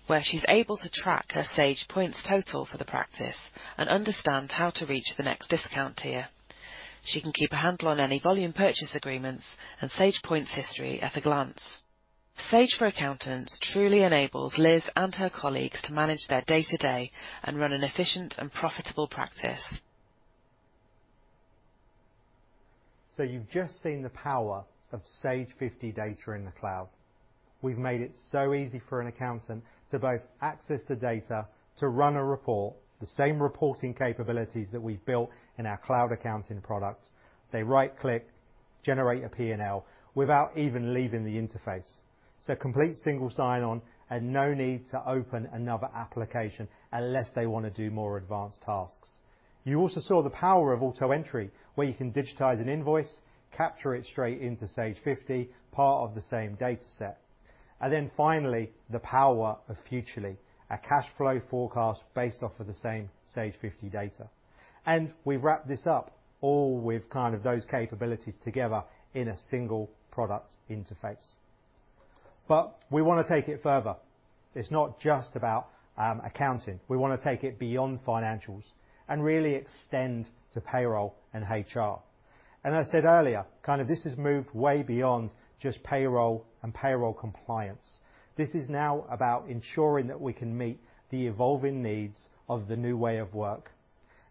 where she's able to track her Sage Points total for the practice and understand how to reach the next discount tier. She can keep a handle on any volume purchase agreements and Sage Points history at a glance. Sage for Accountants truly enables Liz and her colleagues to manage their day-to-day and run an efficient and profitable practice. You've just seen the power of Sage 50 data in the cloud. We've made it so easy for an accountant to both access the data, to run a report, the same reporting capabilities that we've built in our cloud accounting product. They right-click, generate a P&L without even leaving the interface. Complete single sign-on and no need to open another application unless they wanna do more advanced tasks. You also saw the power of AutoEntry, where you can digitize an invoice, capture it straight into Sage 50, part of the same dataset. Then finally, the power of Futrli, a cash flow forecast based off of the same Sage 50 data. We've wrapped this up all with kind of those capabilities together in a single product interface. We wanna take it further. It's not just about accounting. We wanna take it beyond financials and really extend to payroll and HR. I said earlier, kind of this has moved way beyond just payroll and payroll compliance. This is now about ensuring that we can meet the evolving needs of the new way of work.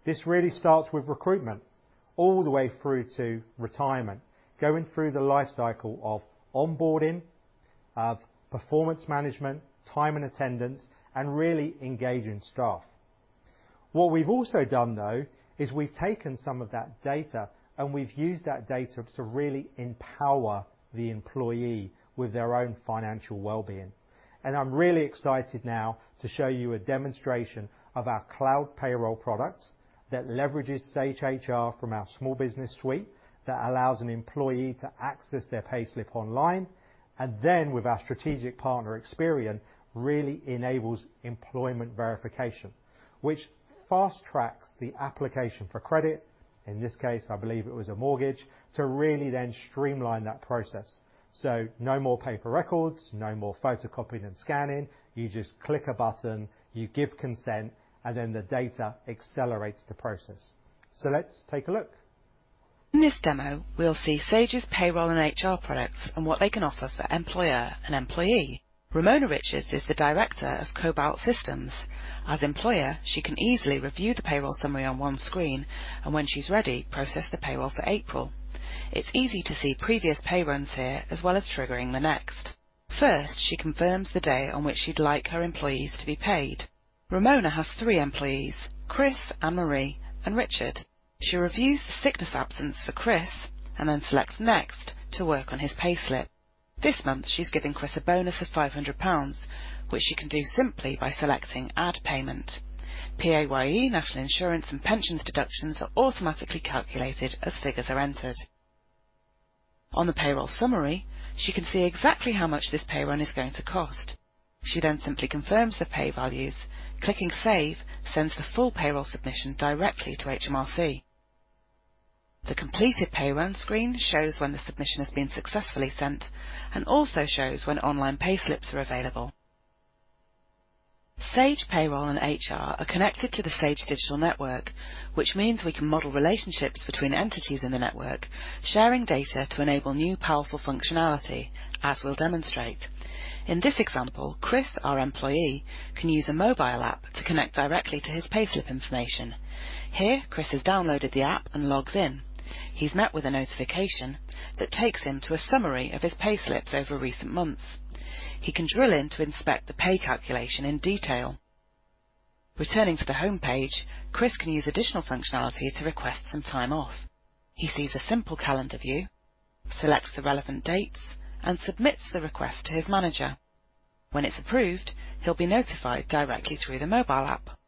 This really starts with recruitment all the way through to retirement, going through the life cycle of onboarding, of performance management, time and attendance, and really engaging staff. What we've also done though, is we've taken some of that data, and we've used that data to really empower the employee with their own financial well-being. I'm really excited now to show you a demonstration of our cloud payroll product that leverages Sage HR from our Small Business Suite that allows an employee to access their payslip online, and then with our strategic partner, Experian, really enables employment verification, which fast-tracks the application for credit, in this case, I believe it was a mortgage, to really then streamline that process. No more paper records, no more photocopying and scanning. You just click a button, you give consent, and then the data accelerates the process. Let's take a look. In this demo, we'll see Sage's payroll and HR products and what they can offer for employer and employee. Ramona Riches is the director of Cobalt Systems. As employer, she can easily review the payroll summary on one screen, and when she's ready, process the payroll for April. It's easy to see previous pay runs here, as well as triggering the next. First, she confirms the day on which she'd like her employees to be paid. Ramona has three employees, Chris, Anne-Marie, and Richard. She reviews the sickness absence for Chris and then selects Next to work on his payslip. This month, she's giving Chris a bonus of 500 pounds, which she can do simply by selecting Add Payment. PAYE national insurance and pensions deductions are automatically calculated as figures are entered. On the payroll summary, she can see exactly how much this pay run is going to cost. She then simply confirms the pay values. Clicking Save sends the full payroll submission directly to HMRC. The completed pay run screen shows when the submission has been successfully sent and also shows when online payslips are available. Sage Payroll and HR are connected to the Sage Network, which means we can model relationships between entities in the network, sharing data to enable new powerful functionality, as we'll demonstrate. In this example, Chris, our employee, can use a mobile app to connect directly to his payslip information. Here, Chris has downloaded the app and logs in. He's met with a notification that takes him to a summary of his payslips over recent months. He can drill in to inspect the pay calculation in detail. Returning to the homepage, Chris can use additional functionality to request some time off. He sees a simple calendar view, selects the relevant dates, and submits the request to his manager. When it's approved, he'll be notified directly through the mobile app.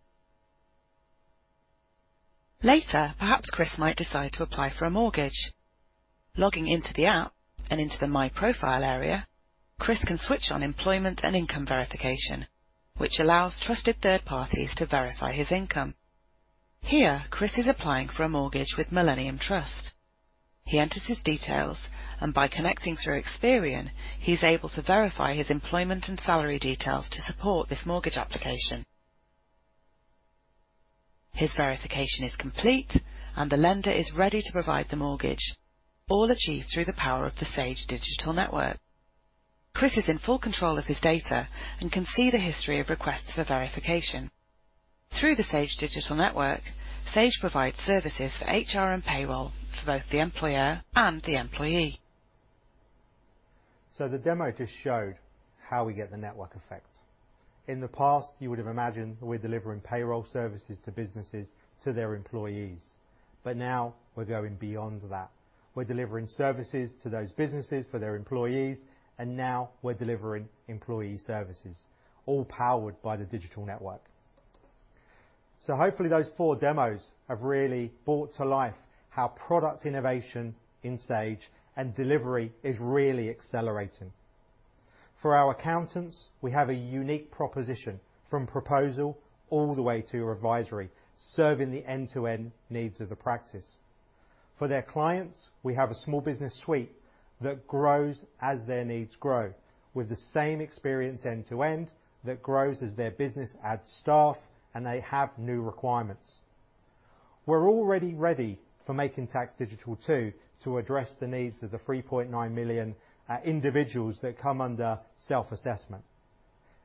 Later, perhaps Chris might decide to apply for a mortgage. Logging into the app and into the My Profile area, Chris can switch on employment and income verification, which allows trusted third parties to verify his income. Here, Chris is applying for a mortgage with Millennium Trust. He enters his details, and by connecting through Experian, he's able to verify his employment and salary details to support this mortgage application. His verification is complete, and the lender is ready to provide the mortgage, all achieved through the power of the Sage digital network. Chris is in full control of his data and can see the history of requests for verification. Through the Sage digital network, Sage provides services for HR and payroll for both the employer and the employee. The demo just showed how we get the network effect. In the past, you would have imagined we're delivering payroll services to businesses to their employees. Now we're going beyond that. We're delivering services to those businesses for their employees, and now we're delivering employee services, all powered by the digital network. Hopefully, those four demos have really brought to life how product innovation in Sage and delivery is really accelerating. For our accountants, we have a unique proposition from proposal all the way to advisory, serving the end-to-end needs of the practice. For their clients, we have a Small Business Suite that grows as their needs grow with the same experience end to end that grows as their business adds staff, and they have new requirements. We're already ready for Making Tax Digital, too, to address the needs of the 3.9 million individuals that come under self-assessment.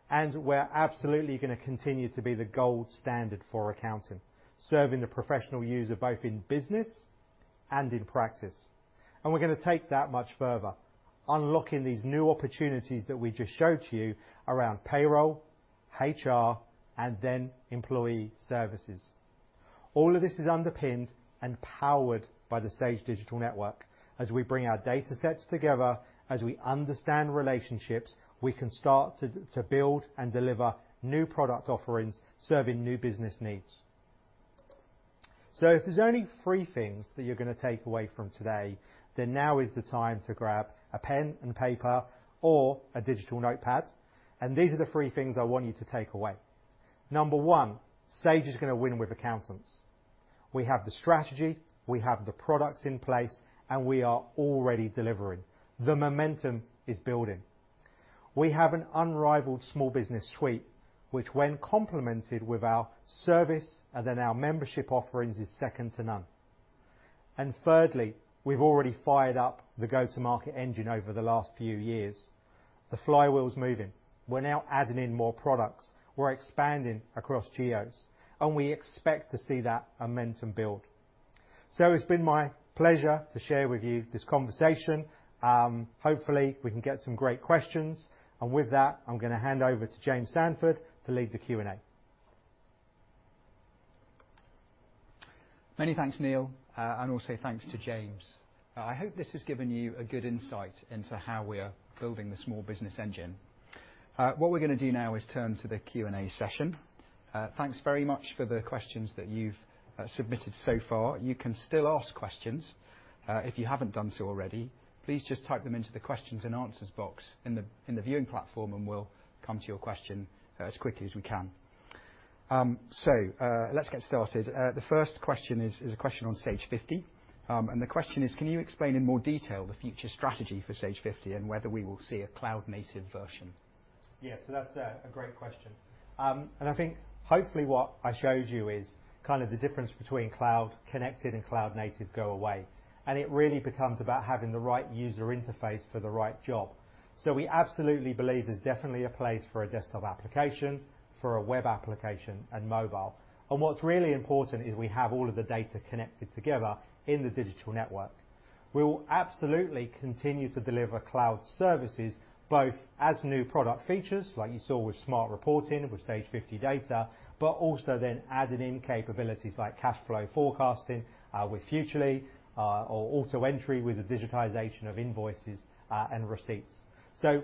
We're absolutely gonna continue to be the gold standard for accounting, serving the professional user both in business and in practice. We're gonna take that much further, unlocking these new opportunities that we just showed to you around payroll, HR, and then employee services. All of this is underpinned and powered by the Sage Network. As we bring our datasets together, as we understand relationships, we can start to build and deliver new product offerings, serving new business needs. If there's only three things that you're gonna take away from today, then now is the time to grab a pen and paper or a digital notepad, and these are the three things I want you to take away. Number one, Sage is gonna win with accountants. We have the strategy, we have the products in place, and we are already delivering. The momentum is building. We have an unrivaled Small Business Suite, which when complemented with our service and then our membership offerings, is second to none. Thirdly, we've already fired up the go-to-market engine over the last few years. The flywheel's moving. We're now adding in more products. We're expanding across geos, and we expect to see that momentum build. It's been my pleasure to share with you this conversation. Hopefully we can get some great questions. With that, I'm gonna hand over to James Sandford to lead the Q&A. Many thanks, Neal. Also thanks to James. I hope this has given you a good insight into how we are building the small business engine. What we're gonna do now is turn to the Q&A session. Thanks very much for the questions that you've submitted so far. You can still ask questions, if you haven't done so already. Please just type them into the questions and answers box in the viewing platform, and we'll come to your question, as quickly as we can. Let's get started. The first question is a question on Sage 50, and the question is: Can you explain in more detail the future strategy for Sage 50, and whether we will see a cloud-native version? Yeah. That's a great question. I think hopefully what I showed you is kind of the difference between cloud-connected and cloud-native goes away, and it really becomes about having the right user interface for the right job. We absolutely believe there's definitely a place for a desktop application, for a web application, and mobile. What's really important is we have all of the data connected together in the digital network. We will absolutely continue to deliver cloud services both as new product features, like you saw with Smart Reporting, with Sage 50 data, but also then adding in capabilities like cash flow forecasting with Futrli, or AutoEntry with the digitization of invoices and receipts.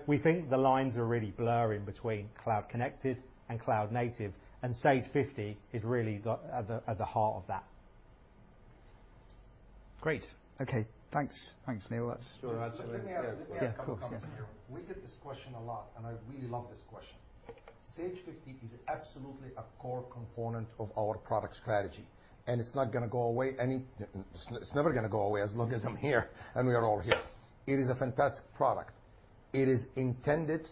We think the lines are really blurring between cloud-connected and cloud-native, and Sage 50 is really at the heart of that. Great. Okay, thanks. Thanks, Neal. Sure. Absolutely. Yeah, cool. Thanks, yeah. Let me add a couple things here. We get this question a lot, and I really love this question. Sage 50 is absolutely a core component of our product strategy, and it's not gonna go away. It's never gonna go away as long as I'm here and we are all here. It is a fantastic product. It is intended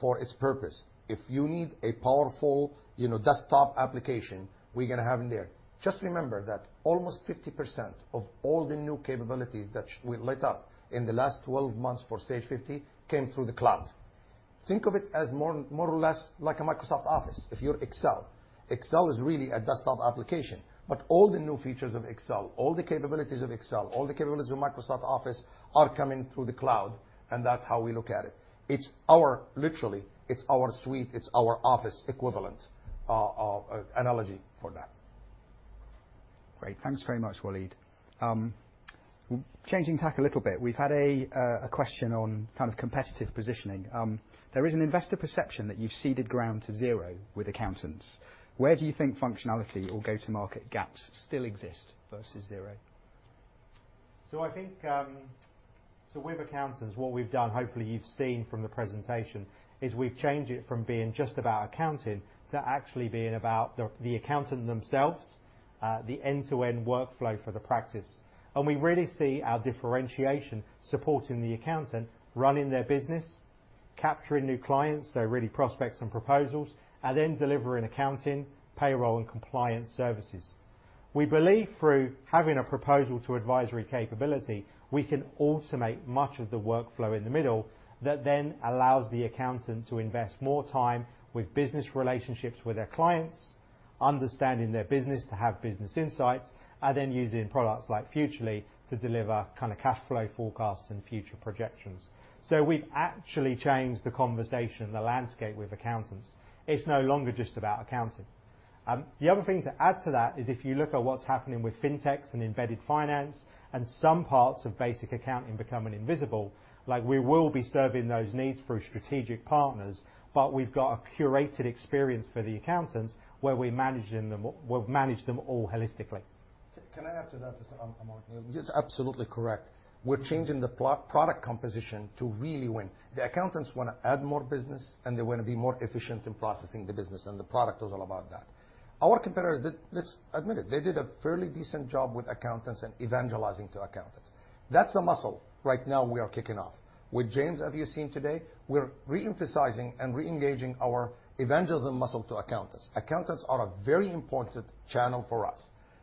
for its purpose. If you need a powerful, you know, desktop application, we're gonna have them there. Just remember that almost 50% of all the new capabilities that we lit up in the last 12 months for Sage 50 came through the cloud. Think of it as more or less like a Microsoft Office. If you're Excel is really a desktop application, but all the new features of Excel, all the capabilities of Excel, all the capabilities of Microsoft Office are coming through the cloud, and that's how we look at it. It's our suite. Literally, it's our suite, it's our Office equivalent, analogy for that. Great. Thanks very much, Walid. Changing tack a little bit. We've had a question on kind of competitive positioning. There is an investor perception that you've ceded ground to Xero with accountants. Where do you think functionality or go-to-market gaps still exist versus Xero? I think with accountants, what we've done, hopefully you've seen from the presentation, is we've changed it from being just about accounting to actually being about the accountant themselves, the end-to-end workflow for the practice. We really see our differentiation supporting the accountant running their business, capturing new clients, so really prospects and proposals, and then delivering accounting, payroll, and compliance services. We believe through having a proposal to advisory capability, we can automate much of the workflow in the middle that then allows the accountant to invest more time with business relationships with their clients, understanding their business to have business insights, and then using products like Futrli to deliver kinda cash flow forecasts and future projections. We've actually changed the conversation, the landscape with accountants. It's no longer just about accounting. The other thing to add to that is if you look at what's happening with fintechs and embedded finance and some parts of basic accounting becoming invisible, like, we will be serving those needs through strategic partners, but we've got a curated experience for the accountants where we've managed them all holistically. Can I add to that as well, Mark? It's absolutely correct. We're changing the product composition to really win. The accountants wanna add more business, and they wanna be more efficient in processing the business, and the product is all about that. Our competitors, Admit it, they did a fairly decent job with accountants and evangelizing to accountants. That's a muscle right now we are kicking off. With James, as you've seen today, we're re-emphasizing and re-engaging our evangelism muscle to accountants. Accountants are a very important channel for us.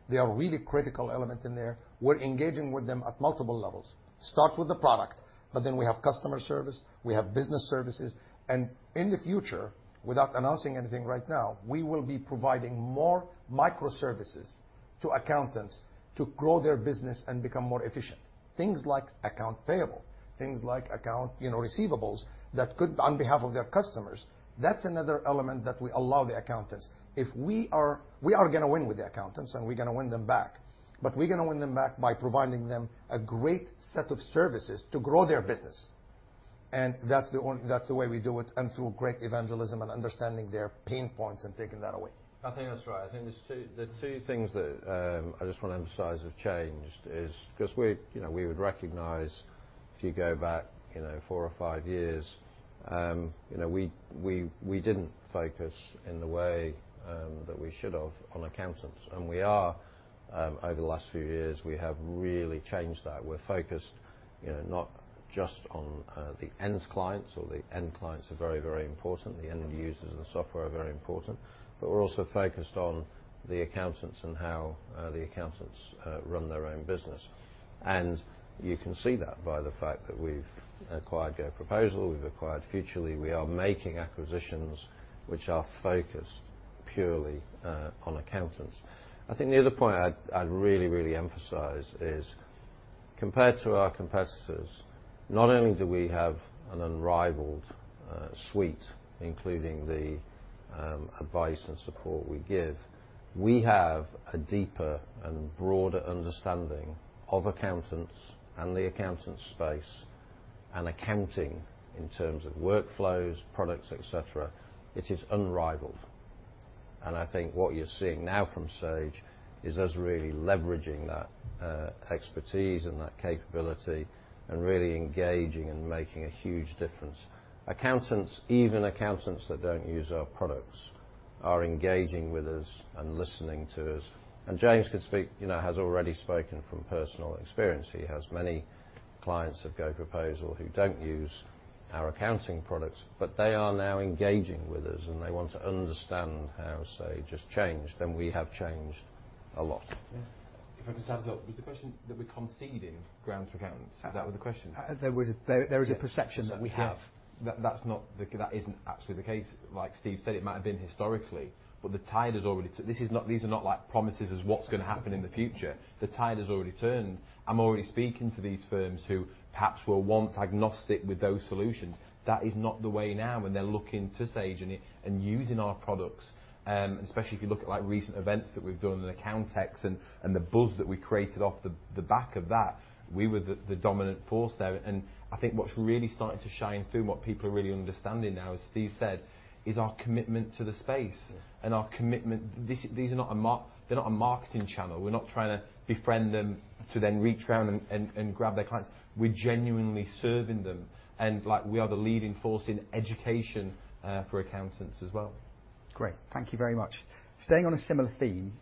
They are a really critical element in there. We're engaging with them at multiple levels. Starts with the product, but then we have customer service, we have business services, and in the future, without announcing anything right now, we will be providing more microservices to accountants to grow their business and become more efficient. Things like accounts payable, things like, you know, accounts receivable on behalf of their customers. That's another element that we allow the accountants. We are gonna win with the accountants, and we're gonna win them back, but we're gonna win them back by providing them a great set of services to grow their business. That's the way we do it, and through great evangelism and understanding their pain points and taking that away. I think that's right. I think the two things that I just wanna emphasize have changed is 'Cause we, you know, we would recognize If you go back, you know, four or five years, you know, we didn't focus in the way that we should have on accountants. We are, over the last few years, we have really changed that. We're focused, you know, not just on the end clients, or the end clients are very, very important, the end users of the software are very important, but we're also focused on the accountants and how the accountants run their own business. You can see that by the fact that we've acquired GoProposal, we've acquired Futrli. We are making acquisitions which are focused purely on accountants. I think the other point I'd really emphasize is compared to our competitors, not only do we have an unrivaled suite, including the advice and support we give, we have a deeper and broader understanding of accountants and the accountant space and accounting in terms of workflows, products, et cetera. It is unrivaled. I think what you're seeing now from Sage is us really leveraging that expertise and that capability and really engaging and making a huge difference. Accountants, even accountants that don't use our products, are engaging with us and listening to us. James can speak, you know, has already spoken from personal experience. He has many clients of GoProposal who don't use our accounting products, but they are now engaging with us, and they want to understand how Sage has changed, and we have changed a lot. Yeah. If I can just add as well. Was the question that we're conceding ground to accountants? Is that what the question is? There was a perception that we have. That isn't actually the case. Like Steve said, it might have been historically, but the tide has already turned. These are not like promises of what's gonna happen in the future. The tide has already turned. I'm already speaking to these firms who perhaps were once agnostic with those solutions. That is not the way now, and they're looking to Sage and using our products. Especially if you look at, like, recent events that we've done, Accountex and the buzz that we created off the back of that, we were the dominant force there. I think what's really starting to shine through and what people are really understanding now, as Steve said, is our commitment to the space. Yeah. Our commitment. These are not a marketing channel. We're not trying to befriend them to then reach around and grab their clients. We're genuinely serving them. Like, we are the leading force in education for accountants as well. Great. Thank you very much. Staying on a similar theme,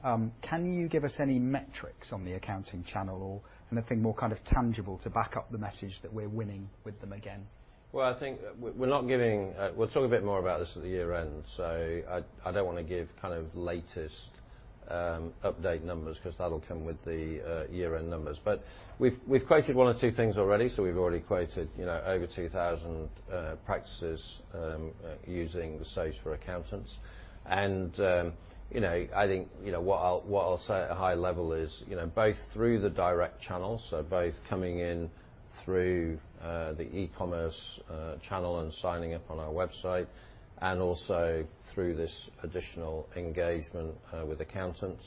can you give us any metrics on the accounting channel or anything more kind of tangible to back up the message that we're winning with them again? Well, I think we're not giving. We'll talk a bit more about this at the year end. I don't wanna give kind of latest update numbers, 'cause that'll come with the year-end numbers. But we've quoted one or two things already. We've already quoted, you know, over 2,000 practices using the Sage for Accountants. You know, I think what I'll say at a high level is, you know, both through the direct channels, so both coming in through the e-commerce channel and signing up on our website, and also through this additional engagement with accountants,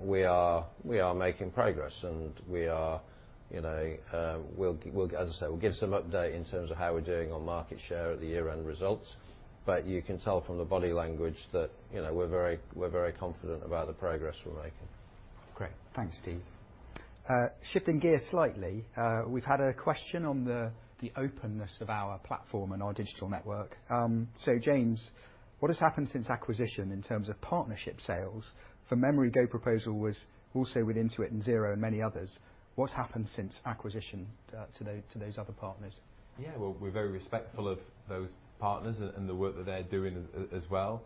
we are making progress, and we are, you know, as I said, we'll give some update in terms of how we're doing on market share at the year-end results. You can tell from the body language that, you know, we're very confident about the progress we're making. Great. Thanks, Steve. Shifting gears slightly, we've had a question on the openness of our platform and our digital network. James, what has happened since acquisition in terms of partnership sales? From memory, GoProposal was also with Intuit and Xero and many others. What's happened since acquisition to those other partners? Yeah, well, we're very respectful of those partners and the work that they're doing as well.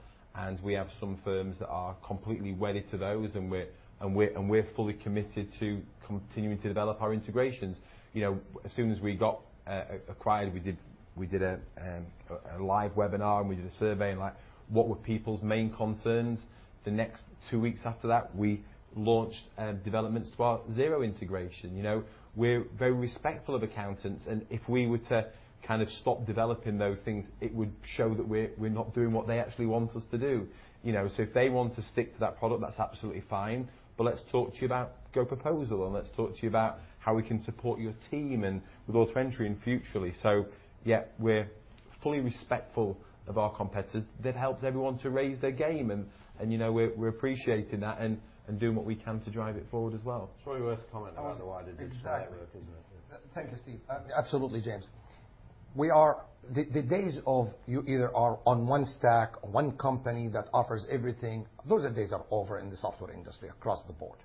We have some firms that are completely wedded to those, and we're fully committed to continuing to develop our integrations. You know, as soon as we got acquired, we did a live webinar, and we did a survey on, like, what were people's main concerns. The next two weeks after that, we launched developments to our Xero integration, you know? We're very respectful of accountants, and if we were to kind of stop developing those things, it would show that we're not doing what they actually want us to do. You know, if they want to stick to that product, that's absolutely fine, but let's talk to you about GoProposal, and let's talk to you about how we can support your team and with AutoEntry and Futrli. Yeah, we're fully respectful of our competitors. That helps everyone to raise their game and, you know, we're appreciating that and doing what we can to drive it forward as well. It's probably worth commenting on the way the digital network, isn't it? Yeah. Exactly. Thank you, Steve. Absolutely, James. The days of you either are on one stack, one company that offers everything, those days are over in the software industry across the board.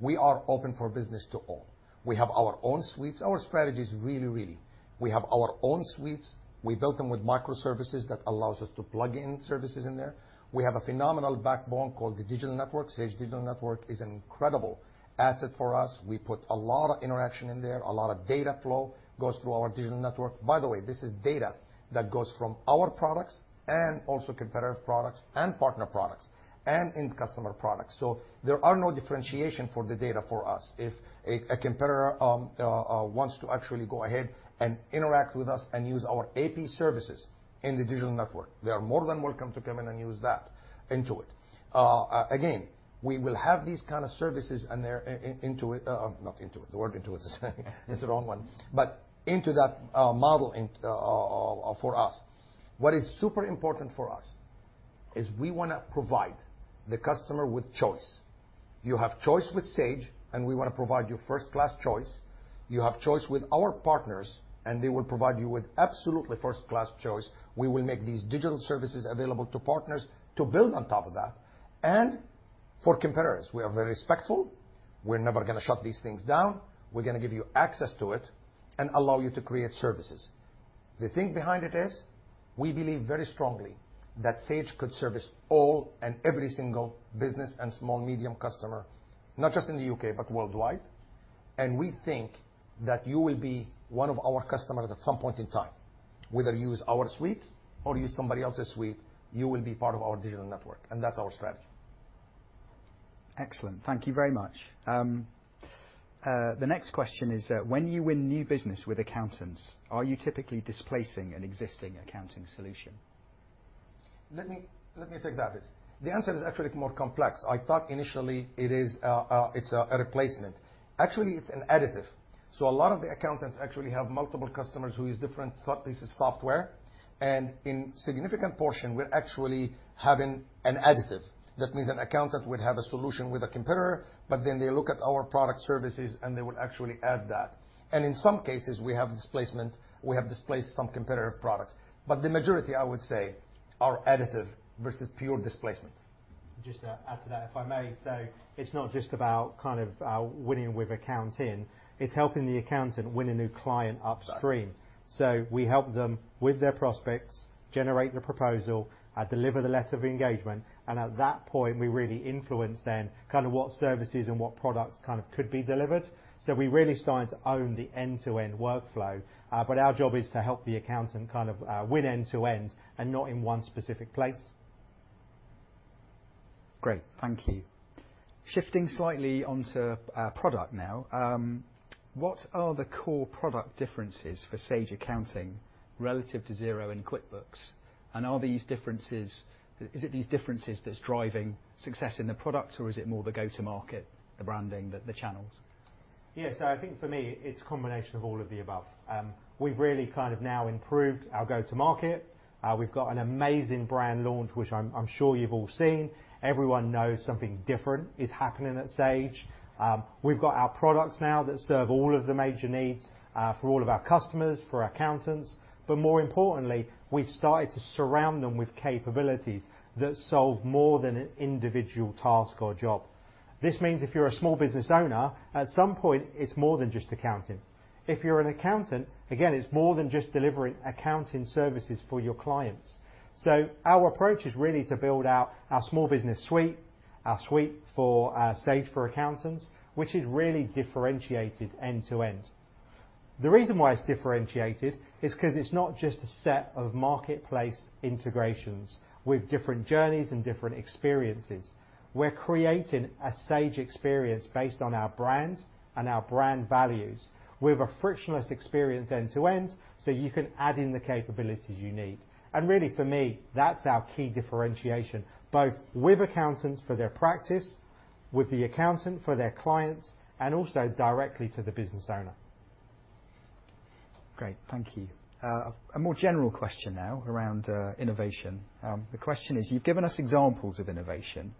We are open for business to all. We have our own suites. Our strategy is really. We have our own suites. We built them with microservices that allows us to plug in services in there. We have a phenomenal backbone called the Sage Network. The Sage Network is an incredible asset for us. We put a lot of interaction in there. A lot of data flow goes through our Sage Network. By the way, this is data that goes from our products and also competitor products and partner products and end customer products. So there are no differentiation for the data for us. If a competitor wants to actually go ahead and interact with us and use our AP services in the digital network, they are more than welcome to come in and use that. Intuit. Again, we will have these kind of services and they're into that model for us. What is super important for us is we wanna provide the customer with choice. You have choice with Sage, and we wanna provide you first-class choice. You have choice with our partners, and they will provide you with absolutely first-class choice. We will make these digital services available to partners to build on top of that. For competitors, we are very respectful. We're never gonna shut these things down. We're gonna give you access to it and allow you to create services. The thing behind it is, we believe very strongly that Sage could service all and every single business and small medium customer, not just in the U.K., but worldwide. We think that you will be one of our customers at some point in time. Whether you use our suite or use somebody else's suite, you will be part of our digital network, and that's our strategy. Excellent. Thank you very much. The next question is, when you win new business with accountants, are you typically displacing an existing accounting solution? Let me take that bit. The answer is actually more complex. I thought initially it is a replacement. Actually, it's an additive. A lot of the accountants actually have multiple customers who use different pieces of software, and in significant portion, we're actually having an additive. That means an accountant would have a solution with a competitor, but then they look at our product services, and they would actually add that. In some cases, we have displacement. We have displaced some competitive products. The majority, I would say, are additive versus pure displacement. Just to add to that, if I may. It's not just about kind of winning with accounting. It's helping the accountant win a new client upstream. That's right. We help them with their prospects, generate the proposal, deliver the letter of engagement, and at that point, we really influence then kind of what services and what products kind of could be delivered. We're really starting to own the end-to-end workflow, but our job is to help the accountant kind of win end to end and not in one specific place. Great. Thank you. Shifting slightly onto product now. What are the core product differences for Sage Accounting relative to Xero and QuickBooks? Is it these differences that's driving success in the product, or is it more the go-to market, the branding, the channels? Yeah. I think for me, it's a combination of all of the above. We've really kind of now improved our go-to-market. We've got an amazing brand launch, which I'm sure you've all seen. Everyone knows something different is happening at Sage. We've got our products now that serve all of the major needs for all of our customers, for our accountants. But more importantly, we've started to surround them with capabilities that solve more than an individual task or job. This means if you're a small business owner, at some point it's more than just accounting. If you're an accountant, again, it's more than just delivering accounting services for your clients. Our approach is really to build out our Small Business Suite, our suite for Sage for Accountants, which is really differentiated end to end. The reason why it's differentiated is 'cause it's not just a set of marketplace integrations with different journeys and different experiences. We're creating a Sage experience based on our brand and our brand values with a frictionless experience end to end, so you can add in the capabilities you need. Really for me, that's our key differentiation, both with accountants for their practice, with the accountant for their clients, and also directly to the business owner. Great. Thank you. A more general question now around innovation. The question is, you've given us examples of innovation.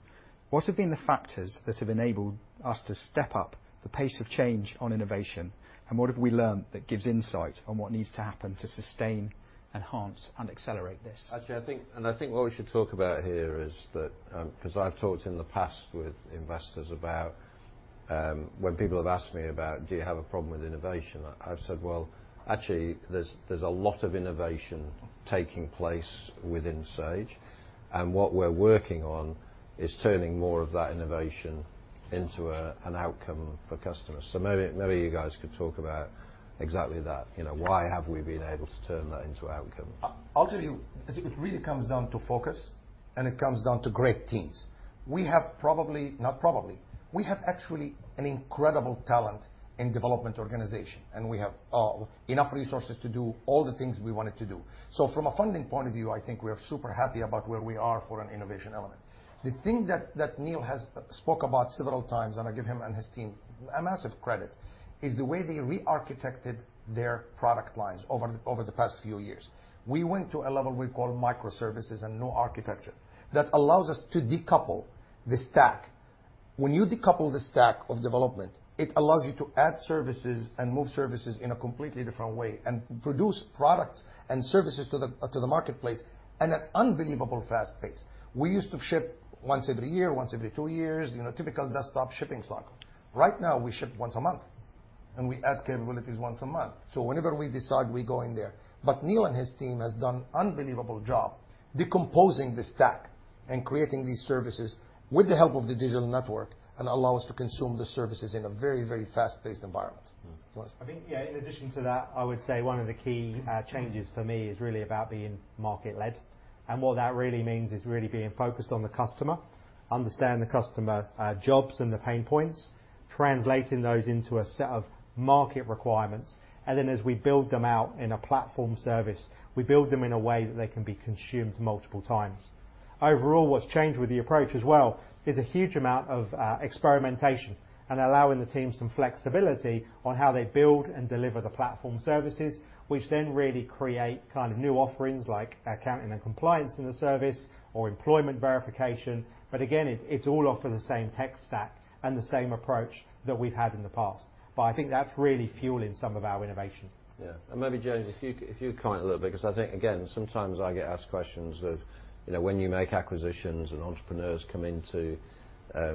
What have been the factors that have enabled us to step up the pace of change on innovation, and what have we learned that gives insight on what needs to happen to sustain, enhance and accelerate this? Actually, I think what we should talk about here is that, 'cause I've talked in the past with investors about, when people have asked me about, "Do you have a problem with innovation?" I've said, "Well, actually, there's a lot of innovation taking place within Sage, and what we're working on is turning more of that innovation into an outcome for customers." Maybe you guys could talk about exactly that. You know, why have we been able to turn that into outcome? I'll tell you, it really comes down to focus, and it comes down to great teams. We have actually an incredible talent in development organization, and we have enough resources to do all the things we wanted to do. From a funding point of view, I think we are super happy about where we are for an innovation element. The thing that Neal has spoke about several times, and I give him and his team a massive credit, is the way they rearchitected their product lines over the past few years. We went to a level we call microservices and new architecture that allows us to decouple the stack. When you decouple the stack of development, it allows you to add services and move services in a completely different way and produce products and services to the marketplace at an unbelievable fast pace. We used to ship once every year, once every two years. You know, typical desktop shipping cycle. Right now, we ship once a month. We add capabilities once a month. Whenever we decide, we go in there. Neal and his team has done unbelievable job decomposing the stack and creating these services with the help of the digital network and allow us to consume the services in a very, very fast-paced environment. Mm. Lance? I think, yeah, in addition to that, I would say one of the key changes for me is really about being market-led. What that really means is really being focused on the customer, understand the customer, jobs and the pain points, translating those into a set of market requirements, and then as we build them out in a platform service, we build them in a way that they can be consumed multiple times. Overall, what's changed with the approach as well is a huge amount of experimentation and allowing the team some flexibility on how they build and deliver the platform services, which then really create kind of new offerings like accounting and compliance in the service or employment verification. Again, it's all offered the same tech stack and the same approach that we've had in the past. I think that's really fueling some of our innovation. Yeah. Maybe James, if you comment a little bit, 'cause I think again, sometimes I get asked questions of, you know, when you make acquisitions and entrepreneurs come into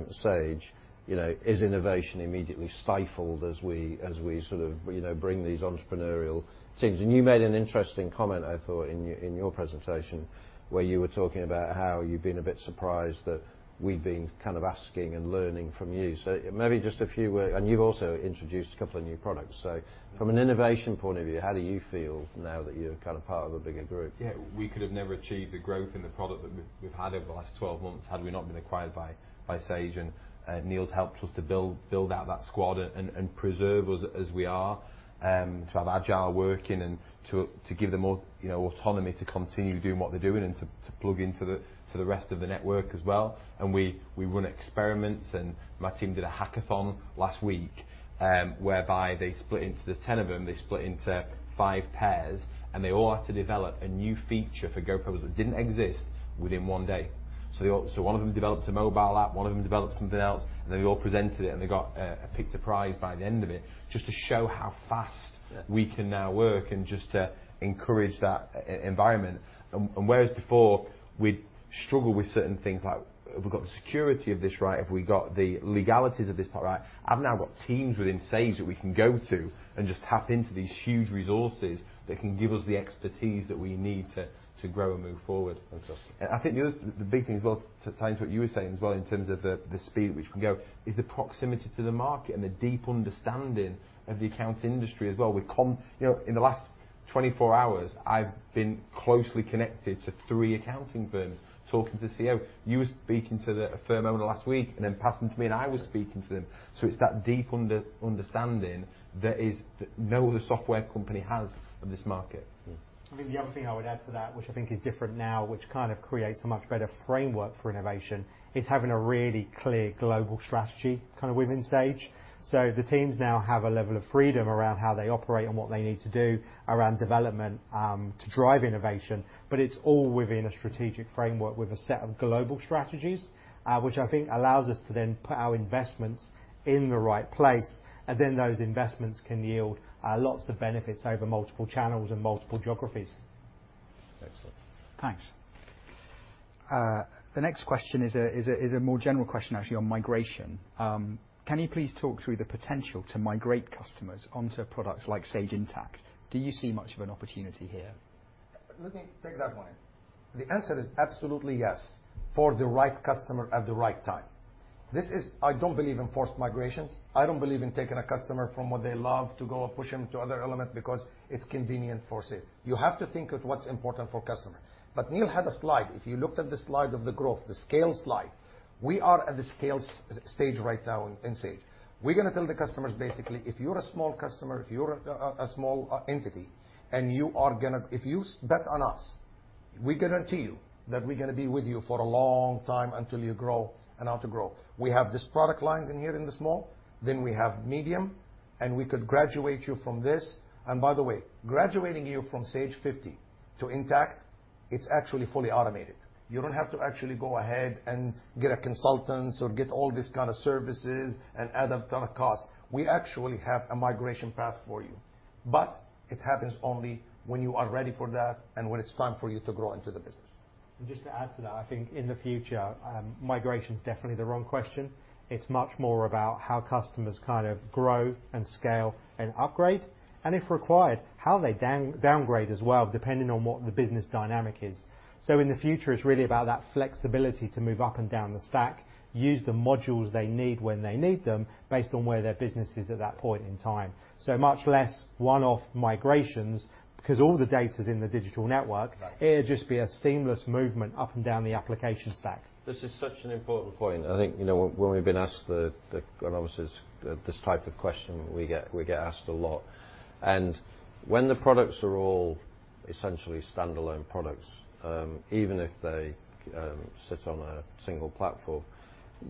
Sage, you know, is innovation immediately stifled as we sort of, you know, bring these entrepreneurial teams? You made an interesting comment, I thought, in your presentation, where you were talking about how you've been a bit surprised that we've been kind of asking and learning from you. Maybe just a few words. You've also introduced a couple of new products. From an innovation point of view, how do you feel now that you're kind of part of a bigger group? Yeah. We could have never achieved the growth in the product that we've had over the last 12 months had we not been acquired by Sage. Neal's helped us to build out that squad and preserve us as we are, to have agile working and to give them all, you know, autonomy to continue doing what they're doing and to plug into the rest of the network as well. We run experiments, and my team did a hackathon last week, whereby they split into five pairs. There's 10 of them, and they all had to develop a new feature for GoProposal that didn't exist within one day. One of them developed a mobile app, one of them developed something else, and they all presented it, and they picked a prize by the end of it, just to show how fast. Yeah We can now work and just to encourage that e-environment. Whereas before, we'd struggle with certain things like have we got the security of this right? Have we got the legalities of this part right? I've now got teams within Sage that we can go to and just tap into these huge resources that can give us the expertise that we need to grow and move forward. Fantastic. I think the other, the big thing as well, to tie into what you were saying as well in terms of the speed at which we can go, is the proximity to the market and the deep understanding of the accounting industry as well. You know, in the last 24 hours, I've been closely connected to three accounting firms, talking to the CEO. You were speaking to a firm owner last week and then passing them to me, and I was speaking to them. It's that deep understanding that no other software company has of this market. Mm. I think the other thing I would add to that, which I think is different now, which kind of creates a much better framework for innovation, is having a really clear global strategy kind of within Sage. The teams now have a level of freedom around how they operate and what they need to do around development, to drive innovation, but it's all within a strategic framework with a set of global strategies, which I think allows us to then put our investments in the right place, and then those investments can yield lots of benefits over multiple channels and multiple geographies. Excellent. Thanks. The next question is a more general question actually on migration. Can you please talk through the potential to migrate customers onto products like Sage Intacct? Do you see much of an opportunity here? Let me take that one. The answer is absolutely yes, for the right customer at the right time. This is. I don't believe in forced migrations. I don't believe in taking a customer from what they love to go push them to other element because it's convenient for sale. You have to think of what's important for customer. Neal had a slide. If you looked at the slide of the growth, the scale stage, we are at the scale stage right now in Sage. We're gonna tell the customers basically, if you're a small customer, if you're a small entity and if you bet on us, we guarantee you that we're gonna be with you for a long time until you grow and auto grow. We have this product lines in here in the small, then we have medium, and we could graduate you from this. By the way, graduating you from Sage 50 to Sage Intacct, it's actually fully automated. You don't have to actually go ahead and get consultants or get all this kind of services and add up kind of cost. We actually have a migration path for you, but it happens only when you are ready for that and when it's time for you to grow into the business. Just to add to that, I think in the future, migration's definitely the wrong question. It's much more about how customers kind of grow and scale and upgrade, and if required, how they downgrade as well, depending on what the business dynamic is. In the future, it's really about that flexibility to move up and down the stack, use the modules they need when they need them based on where their business is at that point in time. Much less one-off migrations because all the data's in the digital network. Right. It'll just be a seamless movement up and down the application stack. This is such an important point. I think, you know, when we've been asked, and obviously it's this type of question we get asked a lot. When the products are all essentially standalone products, even if they sit on a single platform,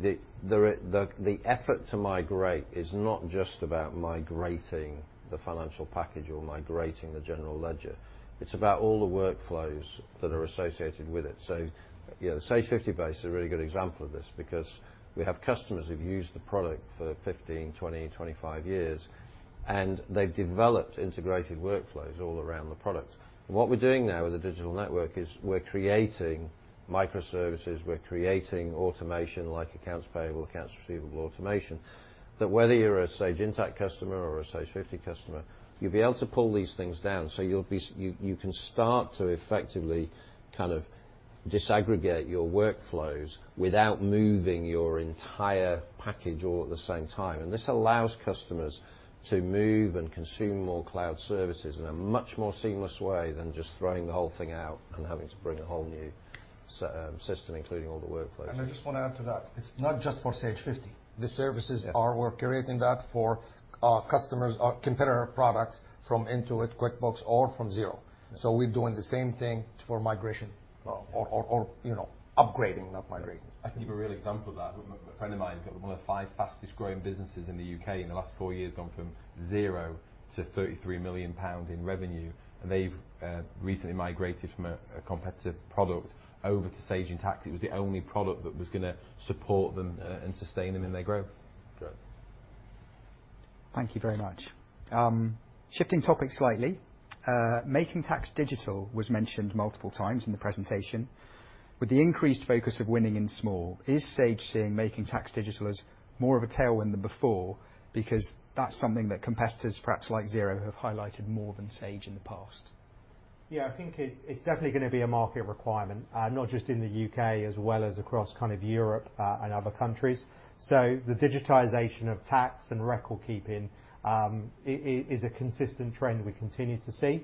the effort to migrate is not just about migrating the financial package or migrating the general ledger. It's about all the workflows that are associated with it. You know, Sage 50 is a really good example of this because we have customers who've used the product for 15, 20, 25 years, and they've developed integrated workflows all around the product. What we're doing now with the Sage Network is we're creating microservices, we're creating automation like accounts payable, accounts receivable automation. That whether you're a Sage Intacct customer or a Sage 50 customer, you'll be able to pull these things down, so you can start to effectively kind of- Disaggregate your workflows without moving your entire package all at the same time. This allows customers to move and consume more cloud services in a much more seamless way than just throwing the whole thing out and having to bring a whole new system, including all the workflows. I just wanna add to that. It's not just for Sage 50. The services- Yeah. We're curating that for our customers, our competitor products from Intuit, QuickBooks or from Xero. Yeah. We're doing the same thing for migration or, you know, upgrading, not migrating. I can give a real example of that. A friend of mine has got one of the five fastest-growing businesses in the U.K. In the last four years, gone from 0 to 33 million pounds in revenue, and they've recently migrated from a competitive product over to Sage Intacct. It was the only product that was gonna support them, and sustain them in their growth. Good. Thank you very much. Shifting topics slightly, Making Tax Digital was mentioned multiple times in the presentation. With the increased focus of winning in small, is Sage seeing Making Tax Digital as more of a tailwind than before? Because that's something that competitors, perhaps like Xero, have highlighted more than Sage in the past. Yeah. I think it's definitely gonna be a market requirement, not just in the U.K. as well as across kind of Europe, and other countries. The digitization of tax and record keeping is a consistent trend we continue to see.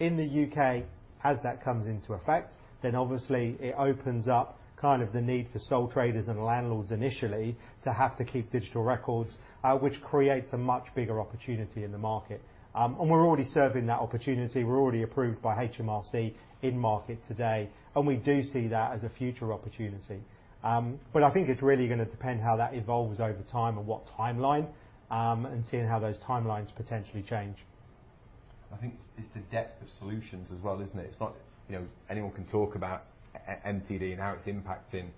In the U.K., as that comes into effect, it opens up kind of the need for sole traders and landlords initially to have to keep digital records, which creates a much bigger opportunity in the market. We're already serving that opportunity. We're already approved by HMRC in market today, and we do see that as a future opportunity. I think it's really gonna depend how that evolves over time and what timeline, and seeing how those timelines potentially change. I think it's the depth of solutions as well, isn't it? It's not, you know, anyone can talk about MTD and how it's impacting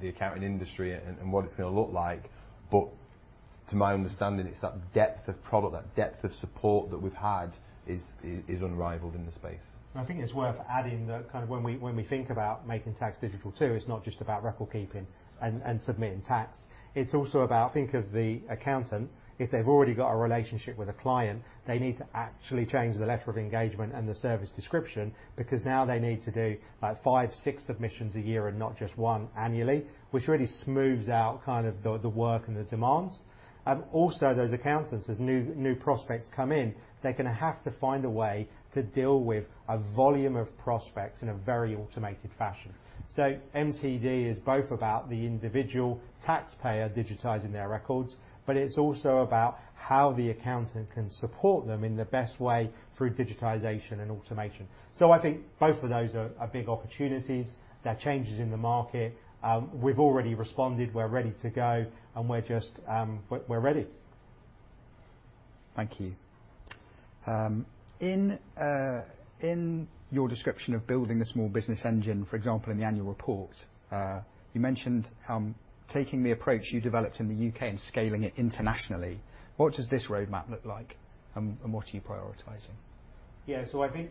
the accounting industry and what it's gonna look like. To my understanding, it's that depth of product, that depth of support that we've had is unrivaled in the space. I think it's worth adding that kind of when we think about Making Tax Digital too, it's not just about record keeping and submitting tax. It's also about, think of the accountant, if they've already got a relationship with a client, they need to actually change the letter of engagement and the service description because now they need to do like five, six submissions a year and not just one annually, which really smooths out kind of the work and the demands. Also those accountants, as new prospects come in, they're gonna have to find a way to deal with a volume of prospects in a very automated fashion. MTD is both about the individual taxpayer digitizing their records, but it's also about how the accountant can support them in the best way through digitization and automation. I think both of those are big opportunities. There are changes in the market. We've already responded. We're ready to go, and we're just ready. Thank you. In your description of building the small business engine, for example, in the annual report, you mentioned taking the approach you developed in the U.K., and scaling it internationally. What does this roadmap look like, and what are you prioritizing? Yeah. I think,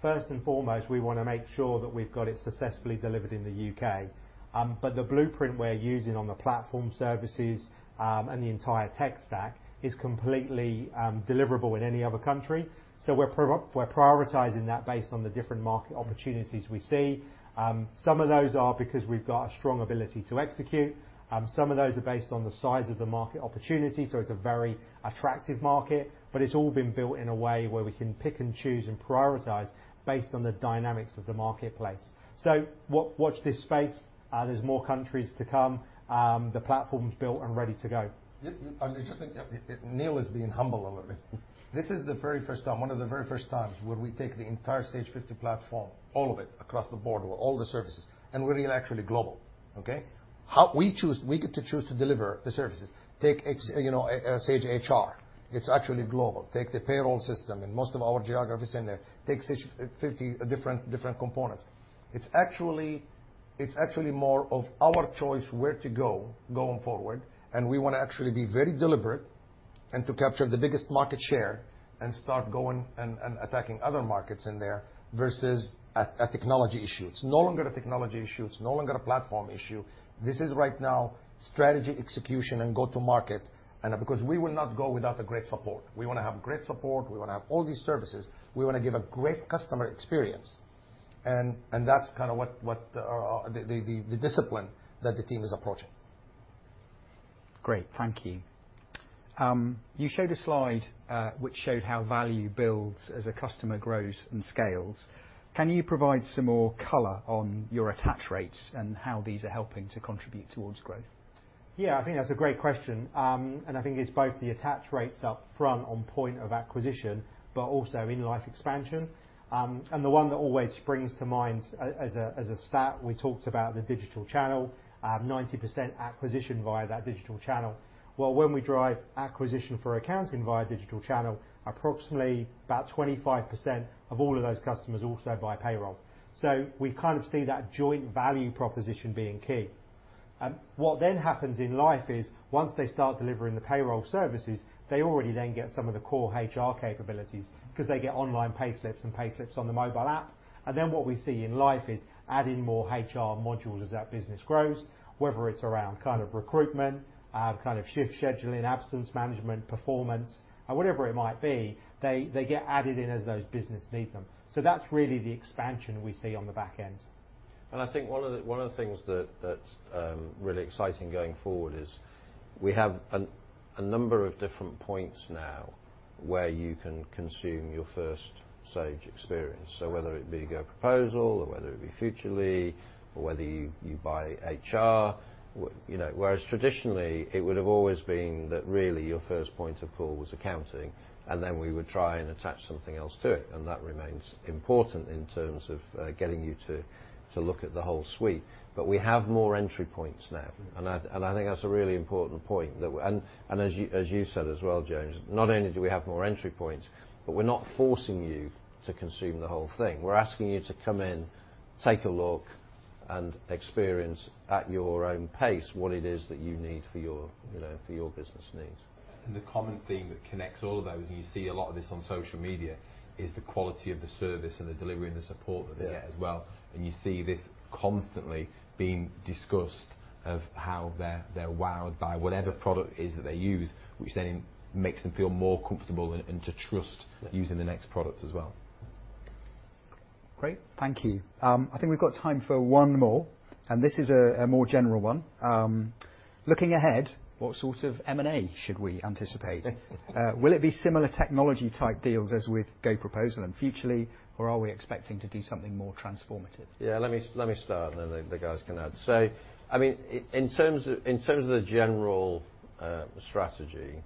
first and foremost, we wanna make sure that we've got it successfully delivered in the U.K. The blueprint we're using on the platform services, and the entire tech stack is completely deliverable in any other country. We're prioritizing that based on the different market opportunities we see. Some of those are because we've got a strong ability to execute. Some of those are based on the size of the market opportunity, so it's a very attractive market. It's all been built in a way where we can pick and choose and prioritize based on the dynamics of the marketplace. Watch this space. There's more countries to come. The platform's built and ready to go. Yeah, yeah. I just think that Neal is being humble a little bit. This is the very first time, one of the very first times, where we take the entire Sage 50 platform, all of it across the board, all the services, and we're being actually global, okay? We get to choose to deliver the services. Take, you know, Sage HR. It's actually global. Take the payroll system, and most of our geography is in there. Take 50 different components. It's actually more of our choice where to go going forward, and we wanna actually be very deliberate and to capture the biggest market share and start going and attacking other markets in there versus a technology issue. It's no longer a technology issue. It's no longer a platform issue. This is right now strategy execution and go to market. Because we will not go without the great support. We wanna have great support. We wanna have all these services. We wanna give a great customer experience, and that's kinda what the discipline that the team is approaching. Great. Thank you. You showed a slide, which showed how value builds as a customer grows and scales. Can you provide some more color on your attach rates and how these are helping to contribute towards growth? Yeah. I think that's a great question. I think it's both the attach rates up front on point of acquisition, but also in life expansion. The one that always springs to mind as a stat, we talked about the digital channel, 90% acquisition via that digital channel. Well, when we drive acquisition for accounting via digital channel, approximately about 25% of all of those customers also buy payroll. We kind of see that joint value proposition being key. What then happens in life is once they start delivering the payroll services, they already then get some of the core HR capabilities 'cause they get online payslips and payslips on the mobile app. What we see in life is adding more HR modules as that business grows, whether it's around kind of recruitment, kind of shift scheduling, absence management, performance. Whatever it might be, they get added in as those business need them. That's really the expansion we see on the back end. I think one of the things that's really exciting going forward is we have a number of different points now where you can consume your first Sage experience. Whether it be GoProposal, or whether it be Futrli, or whether you buy HR. You know, whereas traditionally it would have always been that really your first point of call was accounting, and then we would try and attach something else to it, and that remains important in terms of getting you to look at the whole suite. We have more entry points now, and I think that's a really important point. As you said as well, James, not only do we have more entry points, but we're not forcing you to consume the whole thing. We're asking you to come in, take a look, and experience at your own pace what it is that you need for your, you know, for your business needs. The common theme that connects all of those, and you see a lot of this on social media, is the quality of the service and the delivery and the support that they get as well. Yeah. You see this constantly being discussed of how they're wowed by whatever. Yeah product it is that they use, which then makes them feel more comfortable and to trust. Yeah Using the next product as well. Great. Thank you. I think we've got time for one more, this is a more general one. Looking ahead, what sort of M&A should we anticipate? Will it be similar technology-type deals as with GoProposal and Futrli, or are we expecting to do something more transformative? Let me start, and then the guys can add. I mean, in terms of the general strategy,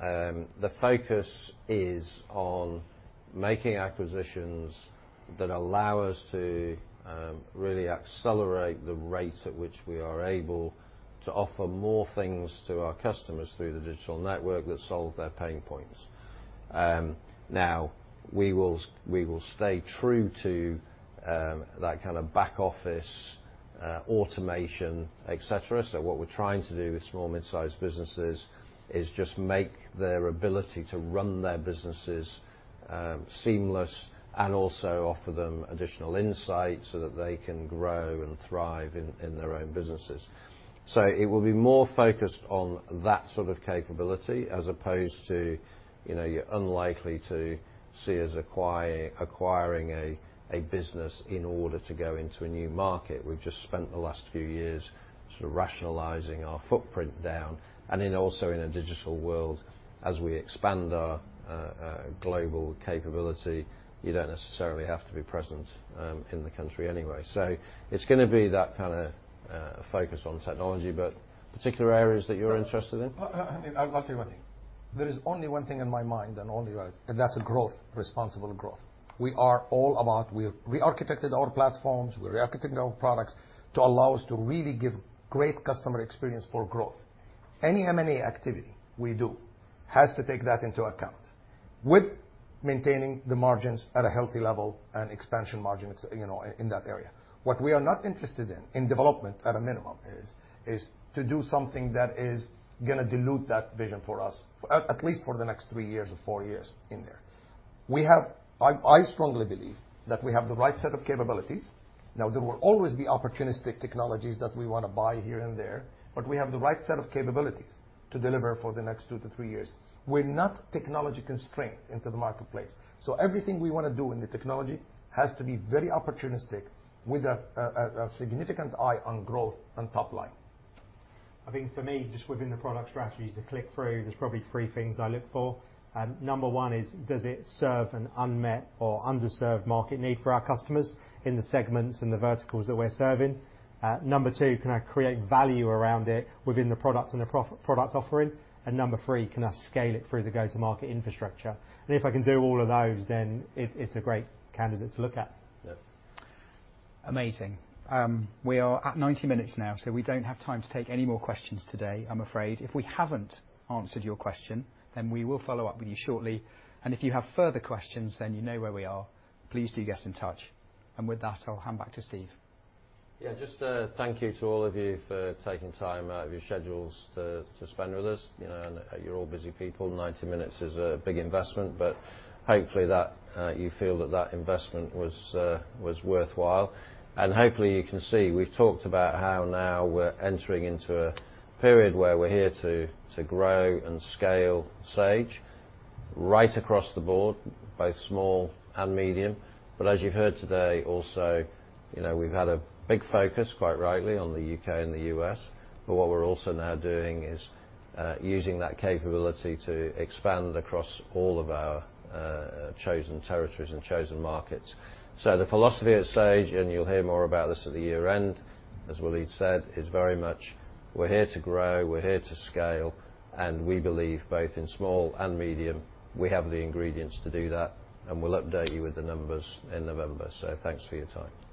the focus is on making acquisitions that allow us to really accelerate the rate at which we are able to offer more things to our customers through the digital network that solve their pain points. Now we will stay true to that kind of back office automation, et cetera. What we're trying to do with small-midsize businesses is just make their ability to run their businesses seamless and also offer them additional insight so that they can grow and thrive in their own businesses. It will be more focused on that sort of capability as opposed to, you know, you're unlikely to see us acquiring a business in order to go into a new market. We've just spent the last few years sort of rationalizing our footprint down. In a digital world, as we expand our global capability, you don't necessarily have to be present in the country anyway. It's gonna be that kinda focus on technology. Particular areas that you're interested in? I'll tell you one thing. There is only one thing in my mind, and only one, and that's growth, responsible growth. We are all about growth. We've rearchitected our platforms, we're rearchitecting our products to allow us to really give great customer experience for growth. Any M&A activity we do has to take that into account, with maintaining the margins at a healthy level and expansion margin, you know, in that area. What we are not interested in development at a minimum is to do something that is gonna dilute that vision for us for at least for the next three years or four years in there. I strongly believe that we have the right set of capabilities. Now, there will always be opportunistic technologies that we wanna buy here and there, but we have the right set of capabilities to deliver for the next two-three years. We're not technology-constrained into the marketplace. Everything we wanna do in the technology has to be very opportunistic with a significant eye on growth and top line. I think for me, just within the product strategies at [click-through], there's probably three things I look for. Number one is does it serve an unmet or underserved market need for our customers in the segments and the verticals that we're serving? Number two, can I create value around it within the products and the product offering? Number three, can I scale it through the go-to-market infrastructure? If I can do all of those, then it's a great candidate to look at. Yeah. Amazing. We are at 90 minutes now, so we don't have time to take any more questions today I'm afraid. If we haven't answered your question, then we will follow up with you shortly. If you have further questions, then you know where we are. Please do get in touch. With that, I'll hand back to Steve. Yeah, just thank you to all of you for taking time out of your schedules to spend with us. You know, you're all busy people. 90 minutes is a big investment, but hopefully that you feel that investment was worthwhile. Hopefully you can see, we've talked about how now we're entering into a period where we're here to grow and scale Sage right across the board, both small and medium. As you heard today, also, you know, we've had a big focus, quite rightly, on the U.K. and the U.S. What we're also now doing is using that capability to expand across all of our chosen territories and chosen markets. The philosophy at Sage, and you'll hear more about this at the year end, as Walid said, is very much we're here to grow, we're here to scale, and we believe both in small and medium, we have the ingredients to do that, and we'll update you with the numbers in November. Thanks for your time. Thank you.